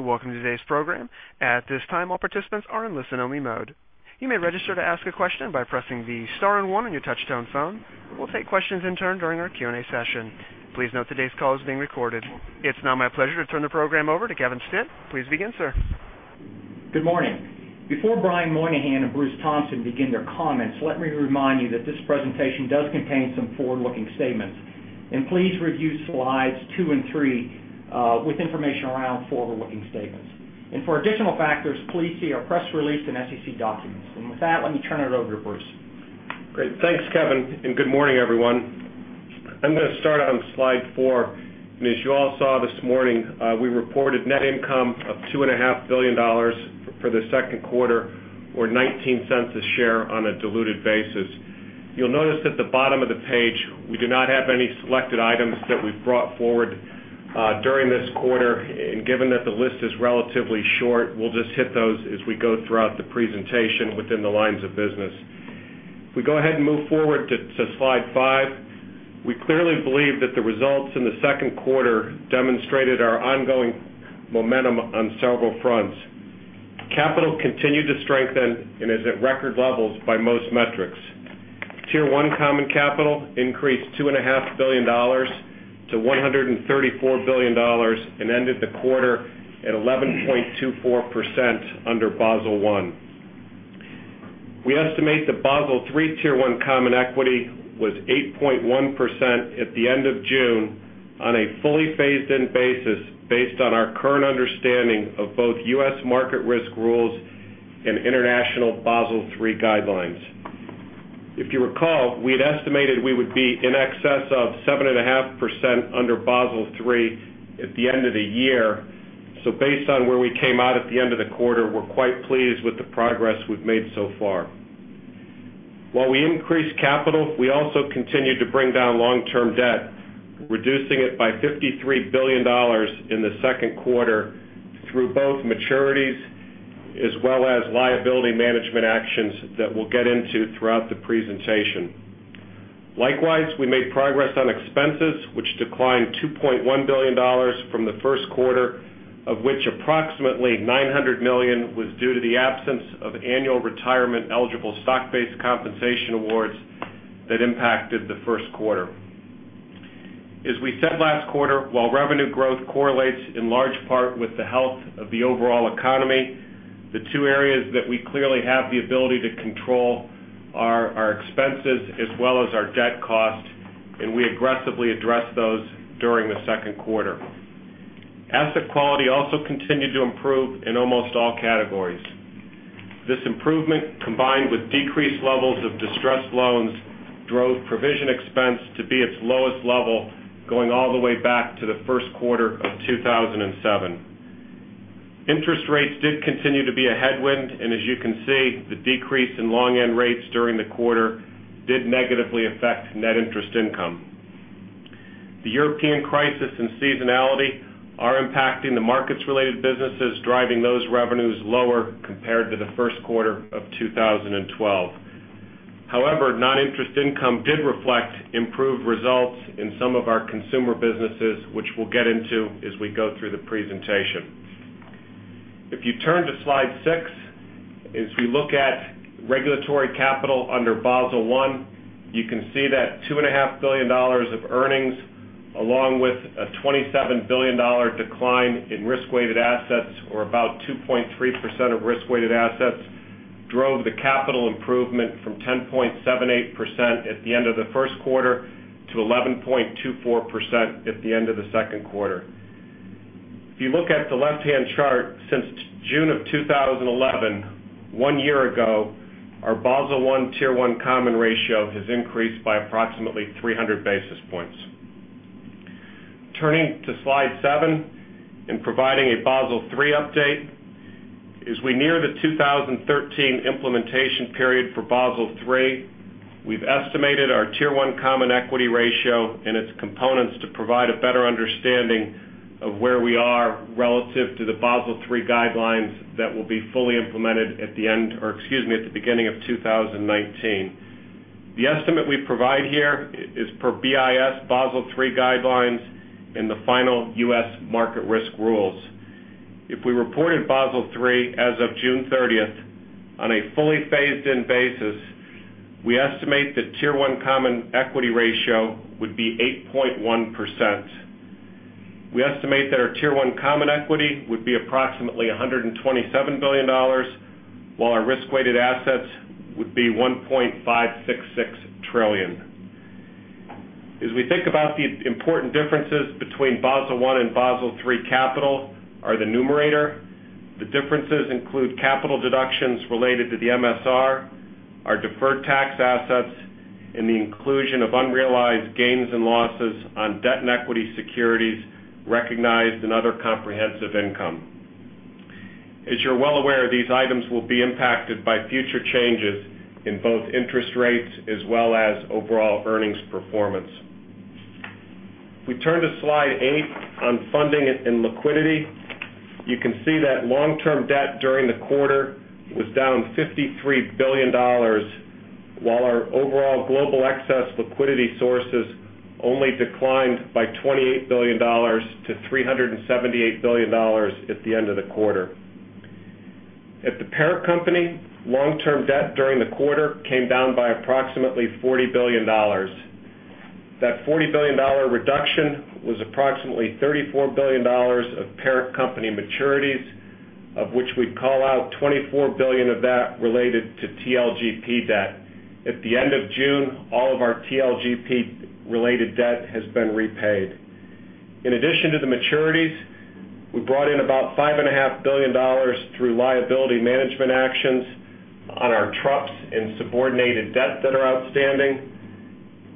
Welcome to today's program. At this time, all participants are in listen-only mode. You may register to ask a question by pressing the star and one on your touchtone phone. We'll take questions in turn during our Q&A session. Please note today's call is being recorded. It's now my pleasure to turn the program over to Kevin Stitt. Please begin, sir. Good morning. Before Brian Moynihan and Bruce Thompson begin their comments, let me remind you that this presentation does contain some forward-looking statements. Please review slides two and three with information around forward-looking statements. For additional factors, please see our press release and SEC documents. With that, let me turn it over to Bruce. Great. Thanks, Kevin, and good morning, everyone. I'm going to start on slide four. As you all saw this morning, we reported net income of $2.5 billion for the second quarter, or $0.19 a share on a diluted basis. You'll notice at the bottom of the page, we do not have any selected items that we've brought forward during this quarter. Given that the list is relatively short, we'll just hit those as we go throughout the presentation within the lines of business. If we go ahead and move forward to slide five, we clearly believe that the results in the second quarter demonstrated our ongoing momentum on several fronts. Capital continued to strengthen and is at record levels by most metrics. Tier 1 common capital increased $2.5 billion to $134 billion and ended the quarter at 11.24% under Basel I. We estimate that Basel III Tier 1 common equity was 8.1% at the end of June on a fully phased-in basis based on our current understanding of both U.S. market risk rules and international Basel III guidelines. If you recall, we had estimated we would be in excess of 7.5% under Basel III at the end of the year. Based on where we came out at the end of the quarter, we're quite pleased with the progress we've made so far. While we increased capital, we also continued to bring down long-term debt, reducing it by $53 billion in the second quarter through both maturities as well as liability management actions that we'll get into throughout the presentation. Likewise, we made progress on expenses, which declined $2.1 billion from the first quarter, of which approximately $900 million was due to the absence of annual retirement-eligible stock-based compensation awards that impacted the first quarter. As we said last quarter, while revenue growth correlates in large part with the health of the overall economy, the two areas that we clearly have the ability to control are our expenses as well as our debt cost, and we aggressively address those during the second quarter. Asset quality also continued to improve in almost all categories. This improvement, combined with decreased levels of distressed loans, drove provision expense to be at its lowest level going all the way back to the first quarter of 2007. Interest rates did continue to be a headwind, and as you can see, the decrease in long-end rates during the quarter did negatively affect net interest income. The European crisis and seasonality are impacting the markets-related businesses, driving those revenues lower compared to the first quarter of 2012. However, non-interest income did reflect improved results in some of our consumer businesses, which we'll get into as we go through the presentation. If you turn to slide six, as we look at regulatory capital under Basel I, you can see that $2.5 billion of earnings, along with a $27 billion decline in risk-weighted assets, or about 2.3% of risk-weighted assets, drove the capital improvement from 10.78% at the end of the first quarter to 11.24% at the end of the second quarter. If you look at the left-hand chart since June of 2011, one year ago, our Basel I Tier 1 common ratio has increased by approximately 300 basis points. Turning to slide seven and providing a Basel III update. As we near the 2013 implementation period for Basel III, we've estimated our Tier 1 common equity ratio and its components to provide a better understanding of where we are relative to the Basel III guidelines that will be fully implemented at the beginning of 2019. The estimate we provide here is per BIS Basel III guidelines and the final U.S. market risk rules. If we reported Basel III as of June 30th, on a fully phased-in basis, we estimate the Tier 1 common equity ratio would be 8.1%. We estimate that our Tier 1 common equity would be approximately $127 billion, while our risk-weighted assets would be $1.566 trillion. As we think about the important differences between Basel I and Basel III capital are the numerator. The differences include capital deductions related to the MSR, our deferred tax assets, and the inclusion of unrealized gains and losses on debt and equity securities recognized in other comprehensive income. As you're well aware, these items will be impacted by future changes in both interest rates as well as overall earnings performance. If we turn to slide eight on funding and liquidity, you can see that long-term debt during the quarter was down $53 billion. While our overall global excess liquidity sources only declined by $28 billion to $378 billion at the end of the quarter. At the parent company, long-term debt during the quarter came down by approximately $40 billion. That $40 billion reduction was approximately $34 billion of parent company maturities, of which we call out $24 billion of that related to TLGP debt. At the end of June, all of our TLGP-related debt has been repaid. In addition to the maturities, we brought in about $5.5 billion through liability management actions on our TRUP and subordinated debt that are outstanding.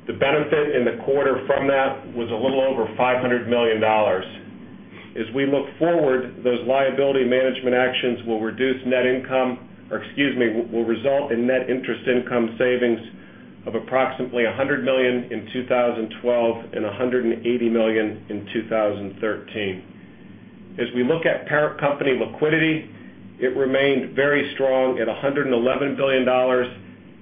The benefit in the quarter from that was a little over $500 million. As we look forward, those liability management actions will result in net interest income savings of approximately $100 million in 2012 and $180 million in 2013. As we look at parent company liquidity, it remained very strong at $111 billion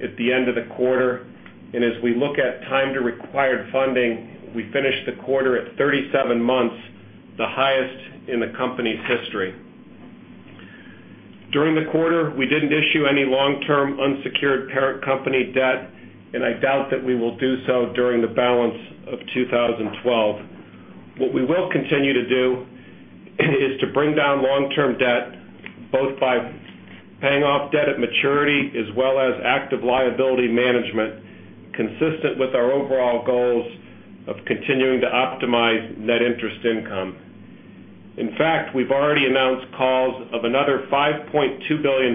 at the end of the quarter. As we look at time to required funding, we finished the quarter at 37 months, the highest in the company's history. During the quarter, we didn't issue any long-term unsecured parent company debt. I doubt that we will do so during the balance of 2012. What we will continue to do is to bring down long-term debt, both by paying off debt at maturity as well as active liability management, consistent with our overall goals of continuing to optimize net interest income. In fact, we've already announced calls of another $5.2 billion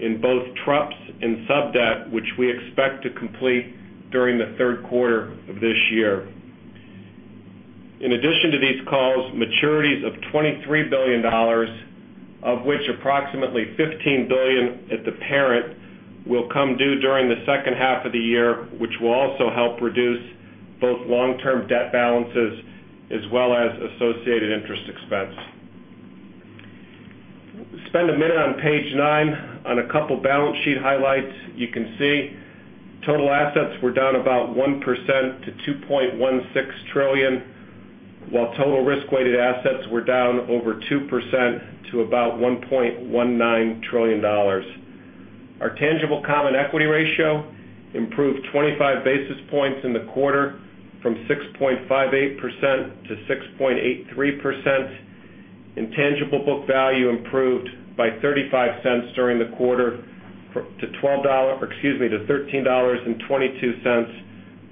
in both TRUPs and sub-debt, which we expect to complete during the third quarter of this year. In addition to these calls, maturities of $23 billion, of which approximately $15 billion at the parent, will come due during the second half of the year, which will also help reduce both long-term debt balances as well as associated interest expense. Spend a minute on page nine on a couple balance sheet highlights. You can see total assets were down about 1% to $2.16 trillion, while total risk-weighted assets were down over 2% to about $1.19 trillion. Our tangible common equity ratio improved 25 basis points in the quarter from 6.58% to 6.83%. Tangible book value improved by $0.35 during the quarter to $13.22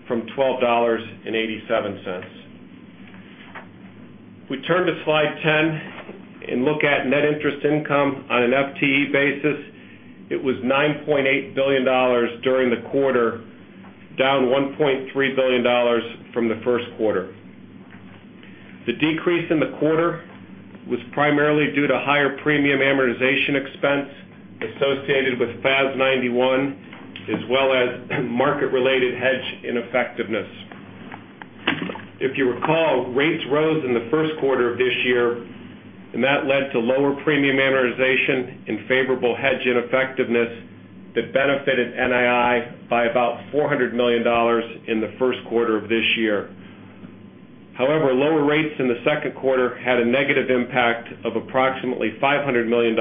from $12.87. We turn to slide 10 and look at net interest income on an FTE basis. It was $9.8 billion during the quarter, down $1.3 billion from the first quarter. The decrease in the quarter was primarily due to higher premium amortization expense associated with FAS 91, as well as market-related hedge ineffectiveness. If you recall, rates rose in the first quarter of this year, and that led to lower premium amortization and favorable hedge ineffectiveness that benefited NII by about $400 million in the first quarter of this year. However, lower rates in the second quarter had a negative impact of approximately $500 million,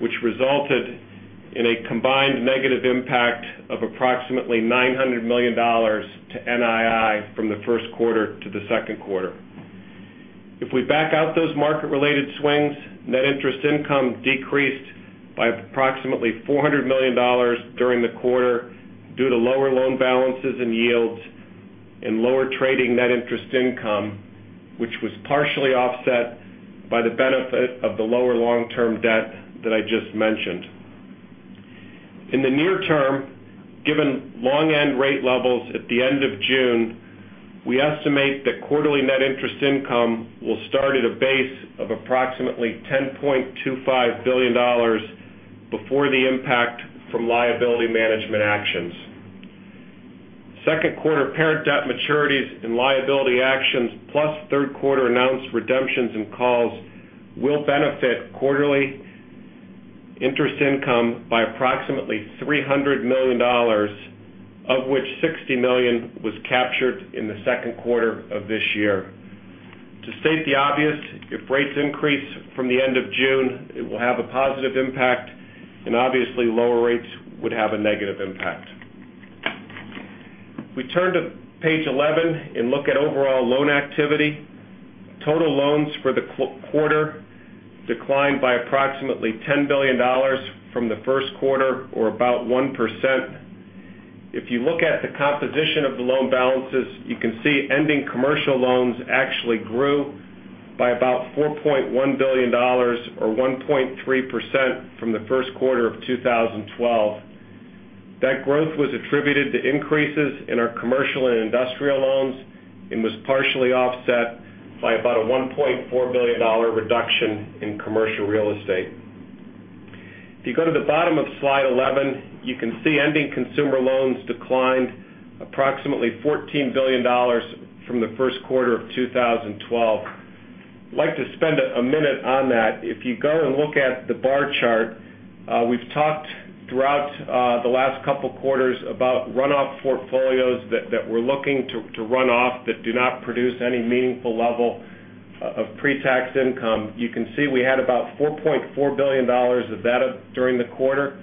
which resulted in a combined negative impact of approximately $900 million to NII from the first quarter to the second quarter. If we back out those market-related swings, net interest income decreased by approximately $400 million during the quarter due to lower loan balances and yields and lower trading net interest income, which was partially offset by the benefit of the lower long-term debt that I just mentioned. In the near term, given long end rate levels at the end of June, we estimate that quarterly net interest income will start at a base of approximately $10.25 billion before the impact from liability management actions. Second quarter parent debt maturities and liability actions plus third quarter announced redemptions and calls will benefit quarterly interest income by approximately $300 million, of which $60 million was captured in the second quarter of this year. To state the obvious, if rates increase from the end of June, it will have a positive impact, and obviously lower rates would have a negative impact. If we turn to page 11 and look at overall loan activity, total loans for the quarter declined by approximately $10 billion from the first quarter, or about 1%. If you look at the composition of the loan balances, you can see ending commercial loans actually grew by about $4.1 billion or 1.3% from the first quarter of 2012. That growth was attributed to increases in our commercial and industrial loans and was partially offset by about a $1.4 billion reduction in commercial real estate. If you go to the bottom of slide 11, you can see ending consumer loans declined approximately $14 billion from the first quarter of 2012. I would like to spend a minute on that. If you go and look at the bar chart, we've talked throughout the last couple of quarters about runoff portfolios that we're looking to run off that do not produce any meaningful level of pre-tax income. You can see we had about $4.4 billion of that during the quarter.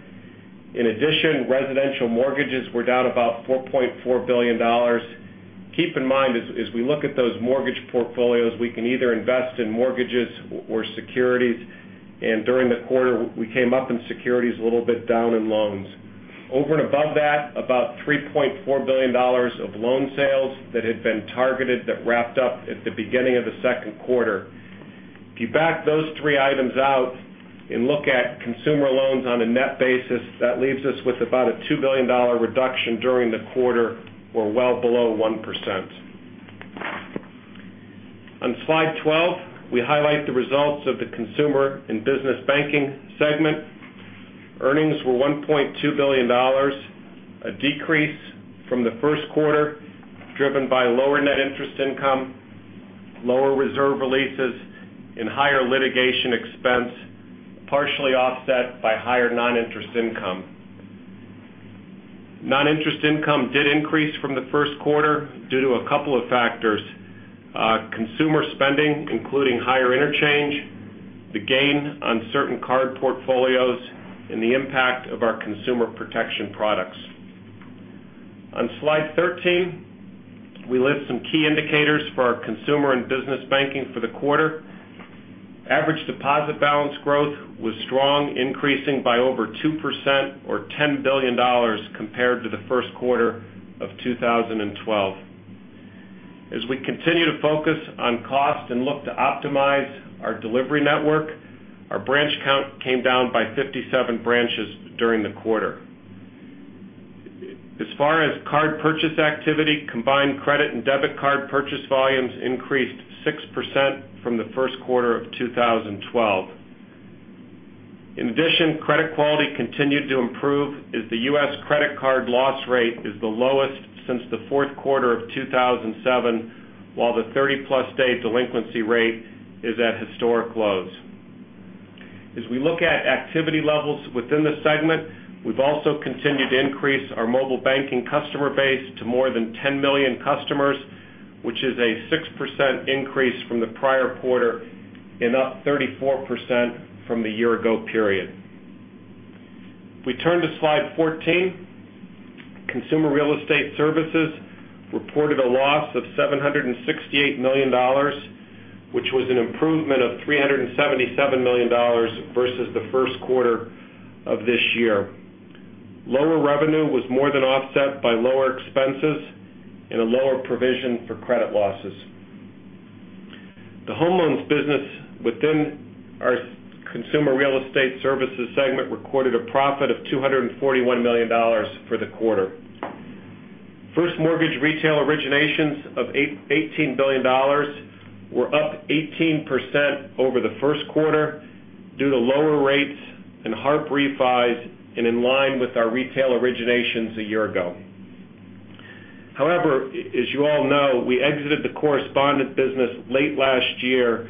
In addition, residential mortgages were down about $4.4 billion. Keep in mind, as we look at those mortgage portfolios, we can either invest in mortgages or securities, and during the quarter, we came up in securities a little bit, down in loans. Over and above that, about $3.4 billion of loan sales that had been targeted that wrapped up at the beginning of the second quarter. If you back those three items out and look at consumer loans on a net basis, that leaves us with about a $2 billion reduction during the quarter or well below 1%. On slide 12, we highlight the results of the consumer and business banking segment. Earnings were $1.2 billion, a decrease from the first quarter, driven by lower net interest income, lower reserve releases, and higher litigation expense, partially offset by higher non-interest income. Non-interest income did increase from the first quarter due to a couple of factors: consumer spending, including higher interchange, the gain on certain card portfolios, and the impact of our consumer protection products. On Slide 13, we list some key indicators for our consumer and business banking for the quarter. Average deposit balance growth was strong, increasing by over 2% or $10 billion compared to the first quarter of 2012. As we continue to focus on cost and look to optimize our delivery network, our branch count came down by 57 branches during the quarter. As far as card purchase activity, combined credit and debit card purchase volumes increased 6% from the first quarter of 2012. In addition, credit quality continued to improve as the U.S. credit card loss rate is the lowest since the fourth quarter of 2007, while the 30-plus day delinquency rate is at historic lows. As we look at activity levels within the segment, we've also continued to increase our mobile banking customer base to more than 10 million customers, which is a 6% increase from the prior quarter and up 34% from the year ago period. If we turn to slide 14, Consumer Real Estate Services reported a loss of $768 million, which was an improvement of $377 million versus the first quarter of this year. Lower revenue was more than offset by lower expenses and a lower provision for credit losses. The home loans business within our Consumer Real Estate Services segment recorded a profit of $241 million for the quarter. First mortgage retail originations of $18 billion were up 18% over the first quarter due to lower rates and HARP refis and in line with our retail originations a year ago. However, as you all know, we exited the correspondent business late last year,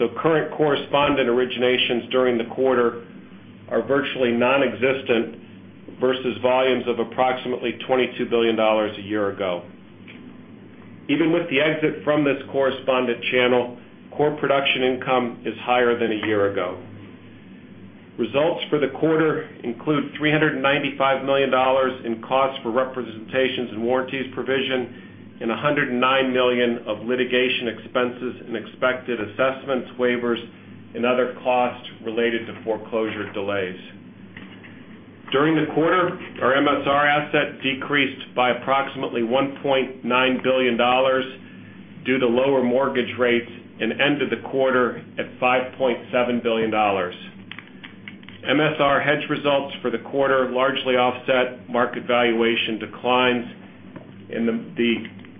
so current correspondent originations during the quarter are virtually nonexistent versus volumes of approximately $22 billion a year ago. Even with the exit from this correspondent channel, core production income is higher than a year ago. Results for the quarter include $395 million in costs for representations and warranties provision and $109 million of litigation expenses in expected assessments, waivers, and other costs related to foreclosure delays. During the quarter, our MSR asset decreased by approximately $1.9 billion due to lower mortgage rates and ended the quarter at $5.7 billion. MSR hedge results for the quarter largely offset market valuation declines, and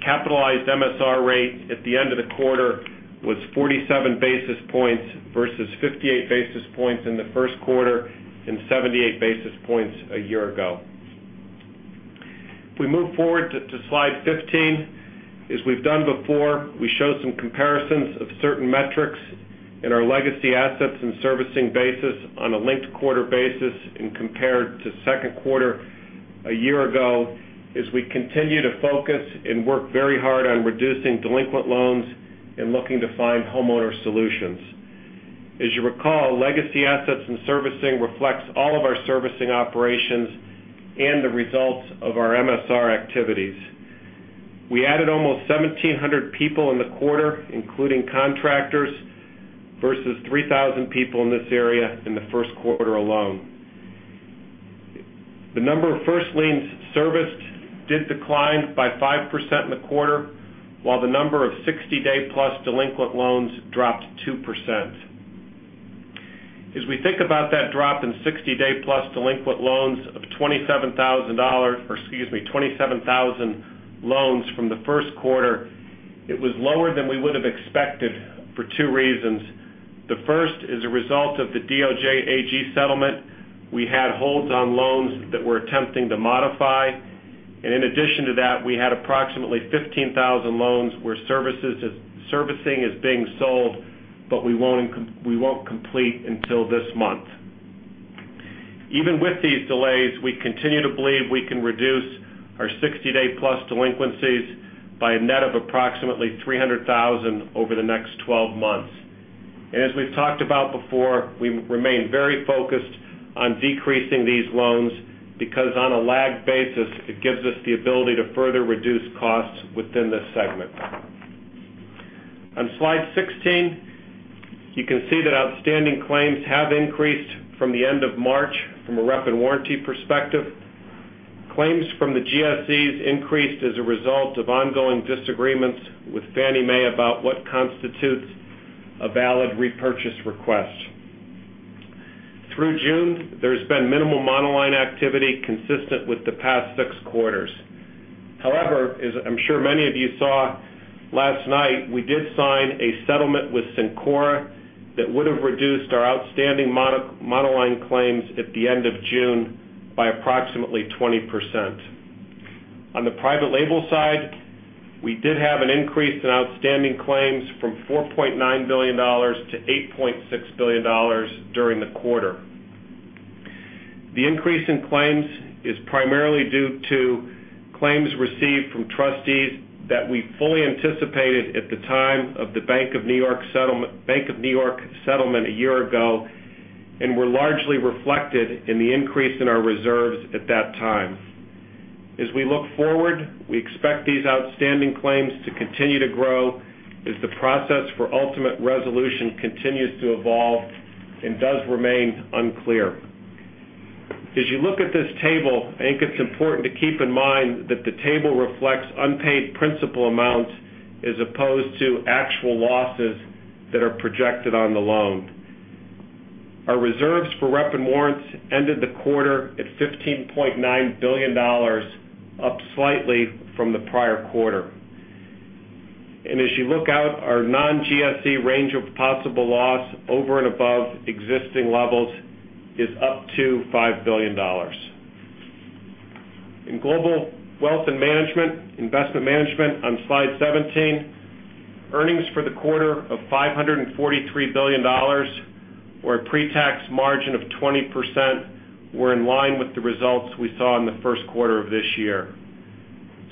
the capitalized MSR rate at the end of the quarter was 47 basis points versus 58 basis points in the first quarter and 78 basis points a year ago. If we move forward to slide 15, as we've done before, we show some comparisons of certain metrics in our legacy assets and servicing basis on a linked-quarter basis and compared to second quarter a year ago, as we continue to focus and work very hard on reducing delinquent loans and looking to find homeowner solutions. As you recall, legacy assets and servicing reflects all of our servicing operations and the results of our MSR activities. We added almost 1,700 people in the quarter, including contractors, versus 3,000 people in this area in the first quarter alone. The number of first liens serviced did decline by 5% in the quarter, while the number of 60-day-plus delinquent loans dropped 2%. As we think about that drop in 60-day-plus delinquent loans of 27,000, or excuse me, 27,000 loans from the first quarter, it was lower than we would have expected for two reasons. The first is a result of the DOJ AG settlement. We had holds on loans that we're attempting to modify. In addition to that, we had approximately 15,000 loans where servicing is being sold, but we won't complete until this month. Even with these delays, we continue to believe we can reduce our 60-day plus delinquencies by a net of approximately 300,000 over the next 12 months. As we've talked about before, we remain very focused on decreasing these loans because on a lagged basis, it gives us the ability to further reduce costs within this segment. On slide 16, you can see that outstanding claims have increased from the end of March from a rep and warranty perspective. Claims from the GSEs increased as a result of ongoing disagreements with Fannie Mae about what constitutes a valid repurchase request. Through June, there's been minimal monoline activity consistent with the past six quarters. However, as I'm sure many of you saw last night, we did sign a settlement with Syncora that would have reduced our outstanding monoline claims at the end of June by approximately 20%. On the private label side, we did have an increase in outstanding claims from $4.9 billion to $8.6 billion during the quarter. The increase in claims is primarily due to claims received from trustees that we fully anticipated at the time of The Bank of New York settlement a year ago and were largely reflected in the increase in our reserves at that time. As we look forward, we expect these outstanding claims to continue to grow as the process for ultimate resolution continues to evolve and does remain unclear. As you look at this table, I think it's important to keep in mind that the table reflects unpaid principal amounts as opposed to actual losses that are projected on the loan. Our reserves for rep and warrants ended the quarter at $15.9 billion, up slightly from the prior quarter. As you look out, our non-GSE range of possible loss over and above existing levels is up to $5 billion. In Global Wealth and Investment Management on Slide 17, earnings for the quarter of $543 billion, or a pre-tax margin of 20%, were in line with the results we saw in the first quarter of this year.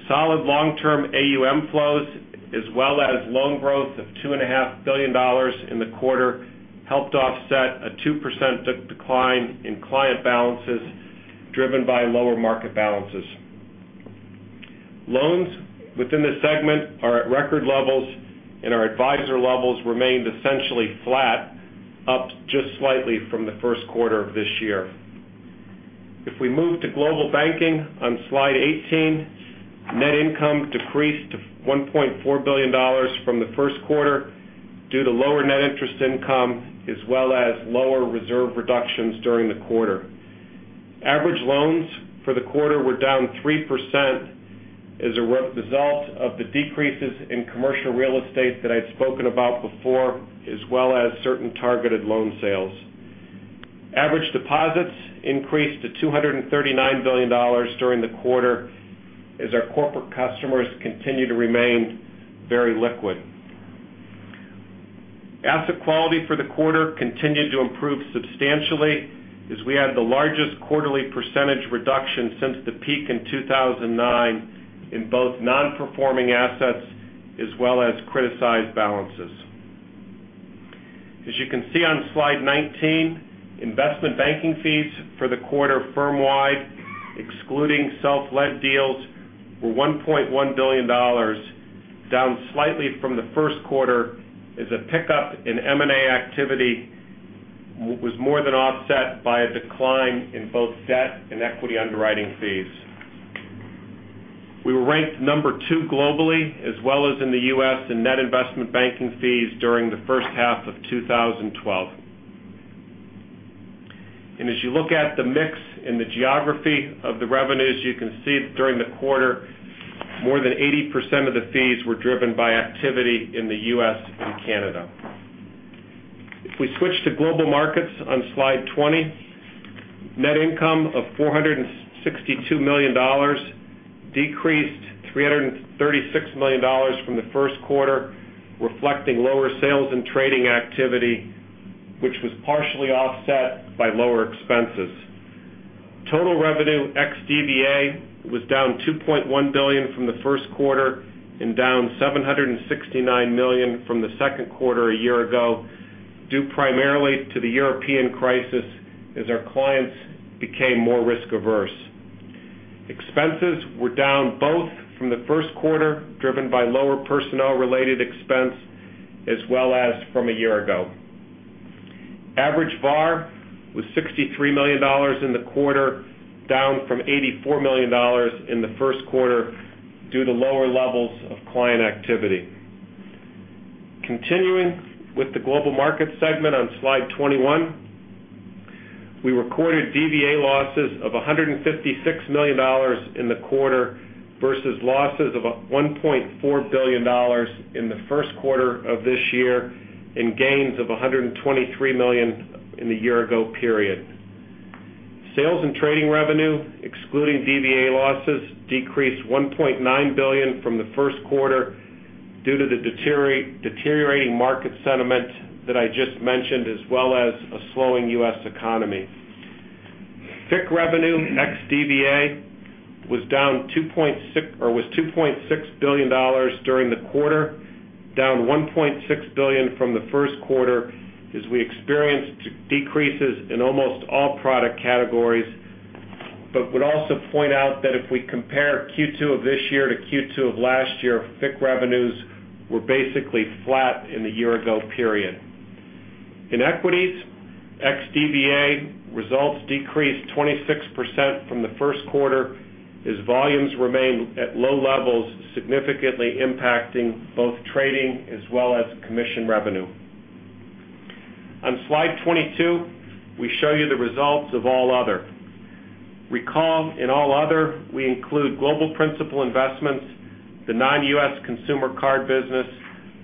Solid long-term AUM flows, as well as loan growth of $2.5 billion in the quarter, helped offset a 2% decline in client balances, driven by lower market balances. Loans within this segment are at record levels, and our advisor levels remained essentially flat, up just slightly from the first quarter of this year. If we move to Global Banking on Slide 18, net income decreased to $1.4 billion from the first quarter due to lower net interest income as well as lower reserve reductions during the quarter. Average loans for the quarter were down 3% as a result of the decreases in commercial real estate that I'd spoken about before, as well as certain targeted loan sales. Average deposits increased to $239 billion during the quarter as our corporate customers continue to remain very liquid. Asset quality for the quarter continued to improve substantially as we had the largest quarterly percentage reduction since the peak in 2009 in both non-performing assets as well as criticized balances. As you can see on slide 19, investment banking fees for the quarter firm-wide, excluding self-led deals, were $1.1 billion, down slightly from the first quarter as a pickup in M&A activity was more than offset by a decline in both debt and equity underwriting fees. We were ranked number two globally as well as in the U.S. in net investment banking fees during the first half of 2012. As you look at the mix and the geography of the revenues, you can see that during the quarter, more than 80% of the fees were driven by activity in the U.S. and Canada. If we switch to Global Markets on slide 20, net income of $462 million decreased $336 million from the first quarter, reflecting lower sales and trading activity, which was partially offset by lower expenses. Total revenue ex-DVA was down $2.1 billion from the first quarter and down $769 million from the second quarter a year ago, due primarily to the European crisis as our clients became more risk-averse. Expenses were down both from the first quarter, driven by lower personnel-related expense, as well as from a year ago. Average VaR was $63 million in the quarter, down from $84 million in the first quarter due to lower levels of client activity. Continuing with the Global Markets segment on slide 21. We recorded DVA losses of $156 million in the quarter versus losses of $1.4 billion in the first quarter of this year, and gains of $123 million in the year-ago period. Sales and trading revenue, excluding DVA losses, decreased $1.9 billion from the first quarter due to the deteriorating market sentiment that I just mentioned, as well as a slowing U.S. economy. FICC revenue ex-DVA was $2.6 billion during the quarter, down $1.6 billion from the first quarter, as we experienced decreases in almost all product categories. Would also point out that if we compare Q2 of this year to Q2 of last year, FICC revenues were basically flat in the year-ago period. In equities, ex-DVA results decreased 26% from the first quarter as volumes remained at low levels, significantly impacting both trading as well as commission revenue. On Slide 22, we show you the results of all other. Recall in all other, we include global principal investments, the non-U.S. consumer card business,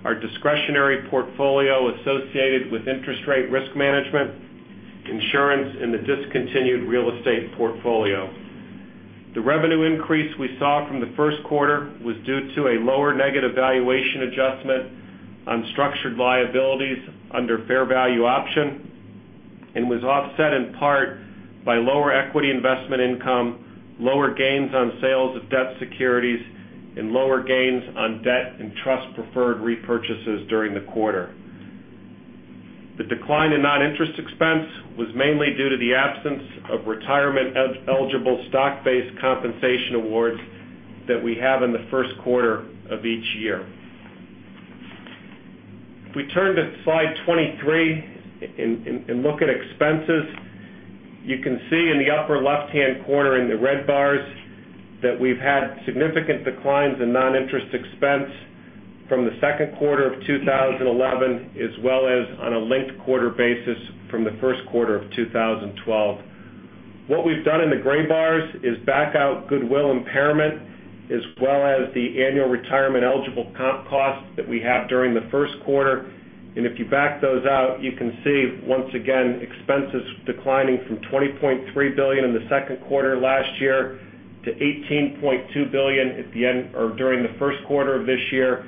our discretionary portfolio associated with interest rate risk management, insurance, and the discontinued real estate portfolio. The revenue increase we saw from the first quarter was due to a lower negative valuation adjustment on structured liabilities under fair value option, and was offset in part by lower equity investment income, lower gains on sales of debt securities, and lower gains on debt and trust preferred repurchases during the quarter. The decline in non-interest expense was mainly due to the absence of retirement-eligible stock-based compensation awards that we have in the first quarter of each year. If we turn to Slide 23 and look at expenses, you can see in the upper left-hand corner in the red bars that we've had significant declines in non-interest expense from the second quarter of 2011, as well as on a linked-quarter basis from the first quarter of 2012. What we've done in the gray bars is back out goodwill impairment, as well as the annual retirement-eligible comp costs that we have during the first quarter. If you back those out, you can see, once again, expenses declining from $20.3 billion in the second quarter last year to $18.2 billion during the first quarter of this year,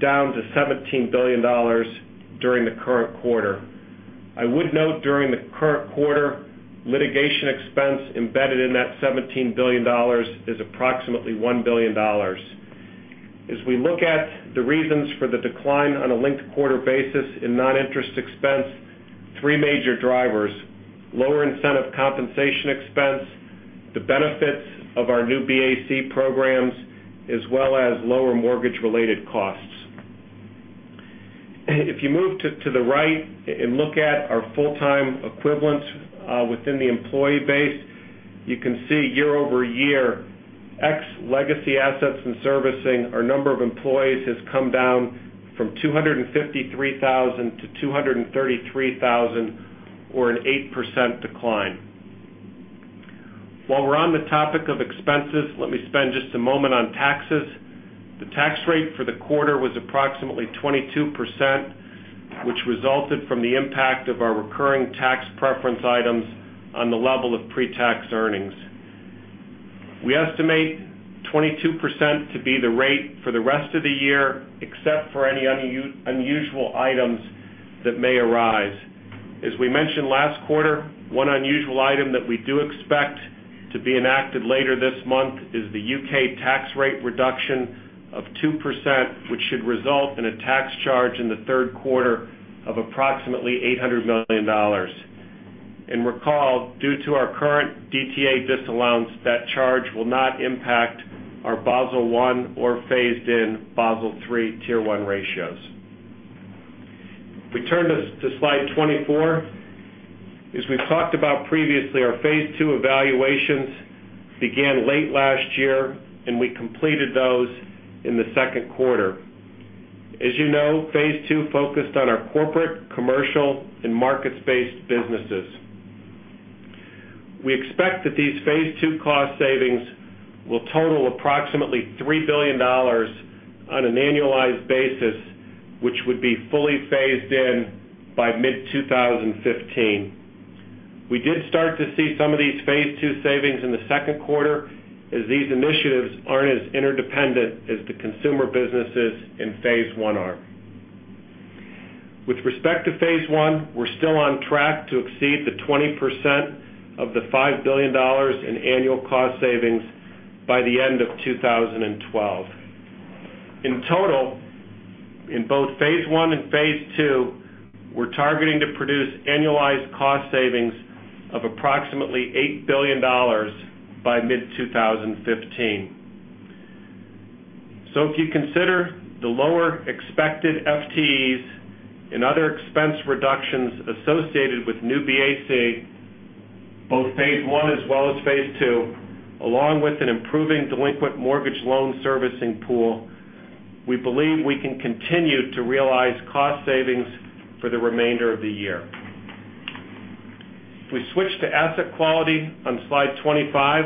down to $17 billion during the current quarter. I would note during the current quarter, litigation expense embedded in that $17 billion is approximately $1 billion. As we look at the reasons for the decline on a linked-quarter basis in non-interest expense, three major drivers. Lower incentive compensation expense, the benefits of our new BAC programs, as well as lower mortgage-related costs. If you move to the right and look at our full-time equivalents within the employee base, you can see year-over-year, ex legacy assets and servicing, our number of employees has come down from 253,000 to 233,000, or an 8% decline. While we are on the topic of expenses, let me spend just a moment on taxes. The tax rate for the quarter was approximately 22%, which resulted from the impact of our recurring tax preference items on the level of pre-tax earnings. We estimate 22% to be the rate for the rest of the year, except for any unusual items that may arise. As we mentioned last quarter, one unusual item that we do expect to be enacted later this month is the U.K. tax rate reduction of 2%, which should result in a tax charge in the third quarter of approximately $800 million. Recall, due to our current DTA disallowance, that charge will not impact our Basel I or phased in Basel III Tier 1 ratios. If we turn to Slide 24, as we have talked about previously, our Phase 2 evaluations began late last year, and we completed those in the second quarter. As you know, Phase 2 focused on our corporate, commercial, and markets-based businesses. We expect that these Phase 2 cost savings will total approximately $3 billion on an annualized basis, which would be fully phased in by mid-2015. We did start to see some of these Phase 2 savings in the second quarter, as these initiatives are not as interdependent as the consumer businesses in Phase 1 are. With respect to Phase 1, we are still on track to exceed the 20% of the $5 billion in annual cost savings by the end of 2012. In total, in both Phase 1 and Phase 2, we are targeting to produce annualized cost savings of approximately $8 billion by mid-2015. If you consider the lower expected FTEs and other expense reductions associated with new BAC, both Phase 1 as well as Phase 2, along with an improving delinquent mortgage loan servicing pool, we believe we can continue to realize cost savings for the remainder of the year. If we switch to asset quality on Slide 25,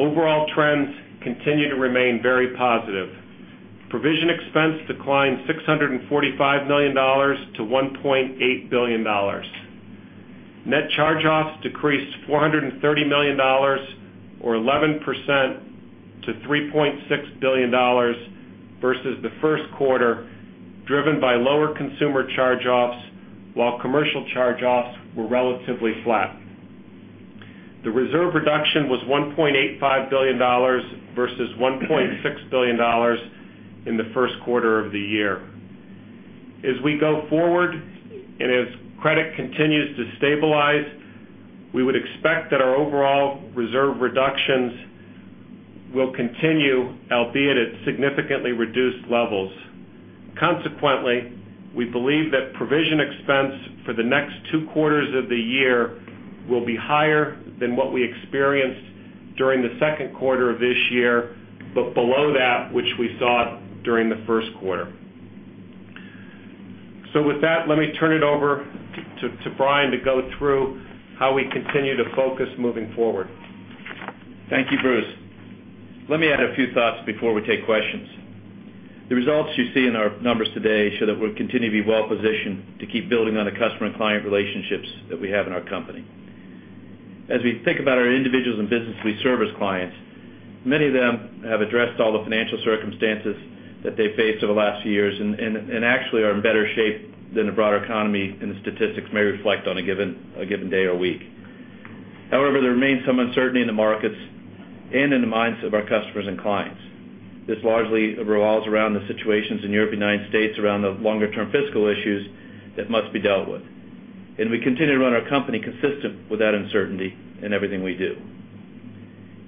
overall trends continue to remain very positive. Provision expense declined $645 million to $1.8 billion. Net charge-offs decreased $430 million or 11% to $3.6 billion versus the first quarter, driven by lower consumer charge-offs, while commercial charge-offs were relatively flat. The reserve reduction was $1.85 billion versus $1.6 billion in the first quarter of the year. As we go forward, and as credit continues to stabilize, we would expect that our overall reserve reductions will continue, albeit at significantly reduced levels. Consequently, we believe that provision expense for the next two quarters of the year will be higher than what we experienced during the second quarter of this year, but below that which we saw during the first quarter. With that, let me turn it over to Brian to go through how we continue to focus moving forward. Thank you, Bruce. Let me add a few thoughts before we take questions. The results you see in our numbers today show that we continue to be well positioned to keep building on the customer and client relationships that we have in our company. As we think about our individuals and businesses we serve as clients, many of them have addressed all the financial circumstances that they faced over the last few years and actually are in better shape than the broader economy, and the statistics may reflect on a given day or week. However, there remains some uncertainty in the markets and in the minds of our customers and clients. This largely revolves around the situations in Europe and the United States around the longer-term fiscal issues that must be dealt with. We continue to run our company consistent with that uncertainty in everything we do.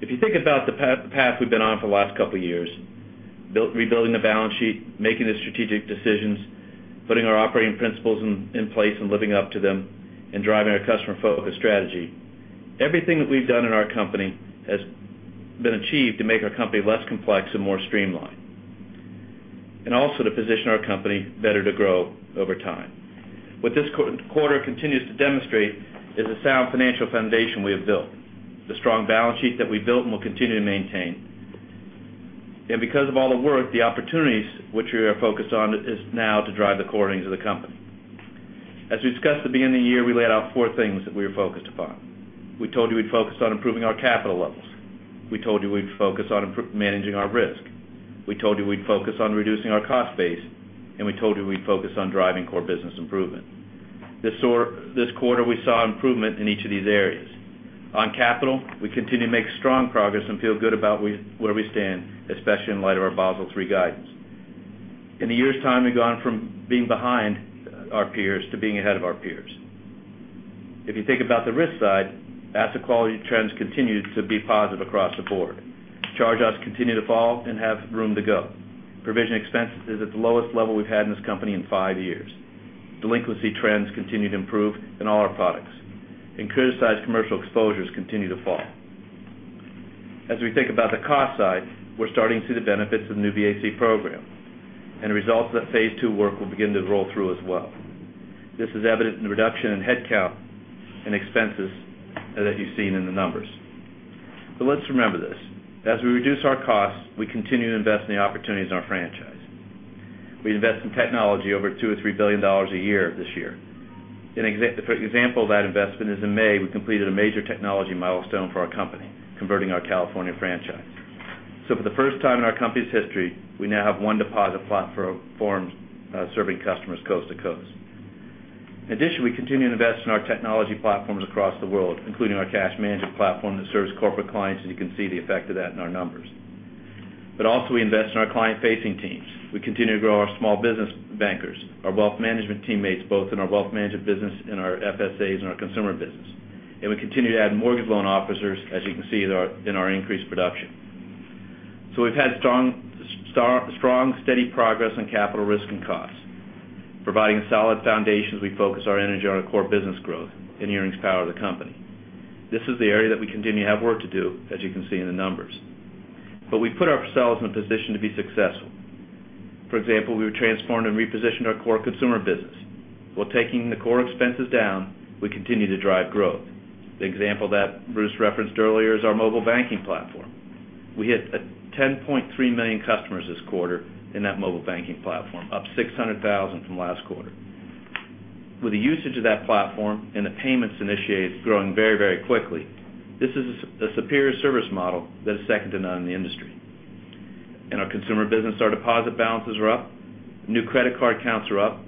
If you think about the path we've been on for the last couple of years, rebuilding the balance sheet, making the strategic decisions, putting our operating principles in place and living up to them, and driving our customer-focused strategy, everything that we've done in our company has been achieved to make our company less complex and more streamlined, and also to position our company better to grow over time. What this quarter continues to demonstrate is the sound financial foundation we have built, the strong balance sheet that we built and will continue to maintain. Because of all the work, the opportunities which we are focused on is now to drive the core earnings of the company. As we discussed at the beginning of the year, we laid out four things that we are focused upon. We told you we'd focus on improving our capital levels. We told you we'd focus on managing our risk. We told you we'd focus on reducing our cost base, we told you we'd focus on driving core business improvement. This quarter, we saw improvement in each of these areas. On capital, we continue to make strong progress and feel good about where we stand, especially in light of our Basel III guidance. In a year's time, we've gone from being behind our peers to being ahead of our peers. If you think about the risk side, asset quality trends continue to be positive across the board. Charge-offs continue to fall and have room to go. Provision expense is at the lowest level we've had in this company in five years. Delinquency trends continue to improve in all our products. Criticized commercial exposures continue to fall. As we think about the cost side, we're starting to see the benefits of the new BAC program and the results of that Phase 2 work will begin to roll through as well. This is evident in the reduction in headcount and expenses that you've seen in the numbers. Let's remember this, as we reduce our costs, we continue to invest in the opportunities in our franchise. We invest in technology over $2 billion or $3 billion a year this year. An example of that investment is in May, we completed a major technology milestone for our company, converting our California franchise. For the first time in our company's history, we now have one deposit platform serving customers coast to coast. We continue to invest in our technology platforms across the world, including our cash management platform that serves corporate clients, you can see the effect of that in our numbers. Also, we invest in our client-facing teams. We continue to grow our small business bankers, our wealth management teammates, both in our wealth management business and our FSAs and our consumer business. We continue to add mortgage loan officers, as you can see in our increased production. We've had strong, steady progress on capital risk and costs, providing solid foundations as we focus our energy on our core business growth and earnings power of the company. This is the area that we continue to have work to do, as you can see in the numbers. We've put ourselves in a position to be successful. We've transformed and repositioned our core consumer business. While taking the core expenses down, we continue to drive growth. The example that Bruce referenced earlier is our mobile banking platform. We hit 10.3 million customers this quarter in that mobile banking platform, up 600,000 from last quarter. With the usage of that platform and the payments initiated growing very, very quickly, this is a superior service model that is second to none in the industry. In our consumer business, our deposit balances are up. New credit card counts are up.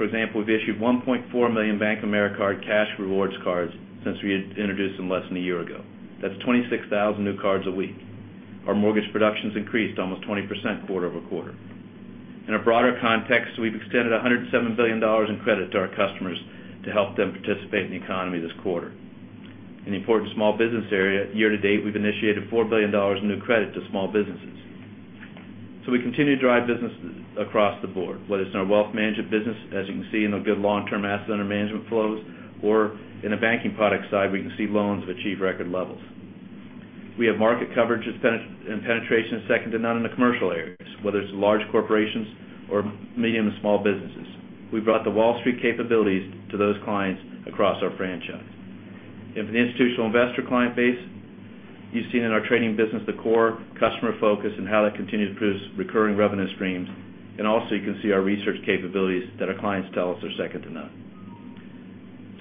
We've issued 1.4 million BankAmericard Cash Rewards cards since we introduced them less than a year ago. That's 26,000 new cards a week. Our mortgage production's increased almost 20% quarter-over-quarter. In a broader context, we've extended $107 billion in credit to our customers to help them participate in the economy this quarter. In the important small business area, year to date, we've initiated $4 billion in new credit to small businesses. We continue to drive business across the board, whether it's in our wealth management business, as you can see in the good long-term asset under management flows, or in the banking product side, we can see loans have achieved record levels. We have market coverage and penetration second to none in the commercial areas, whether it's large corporations or medium and small businesses. We've brought the Wall Street capabilities to those clients across our franchise. In the institutional investor client base, you've seen in our trading business, the core customer focus and how that continues to produce recurring revenue streams. Also you can see our research capabilities that our clients tell us are second to none.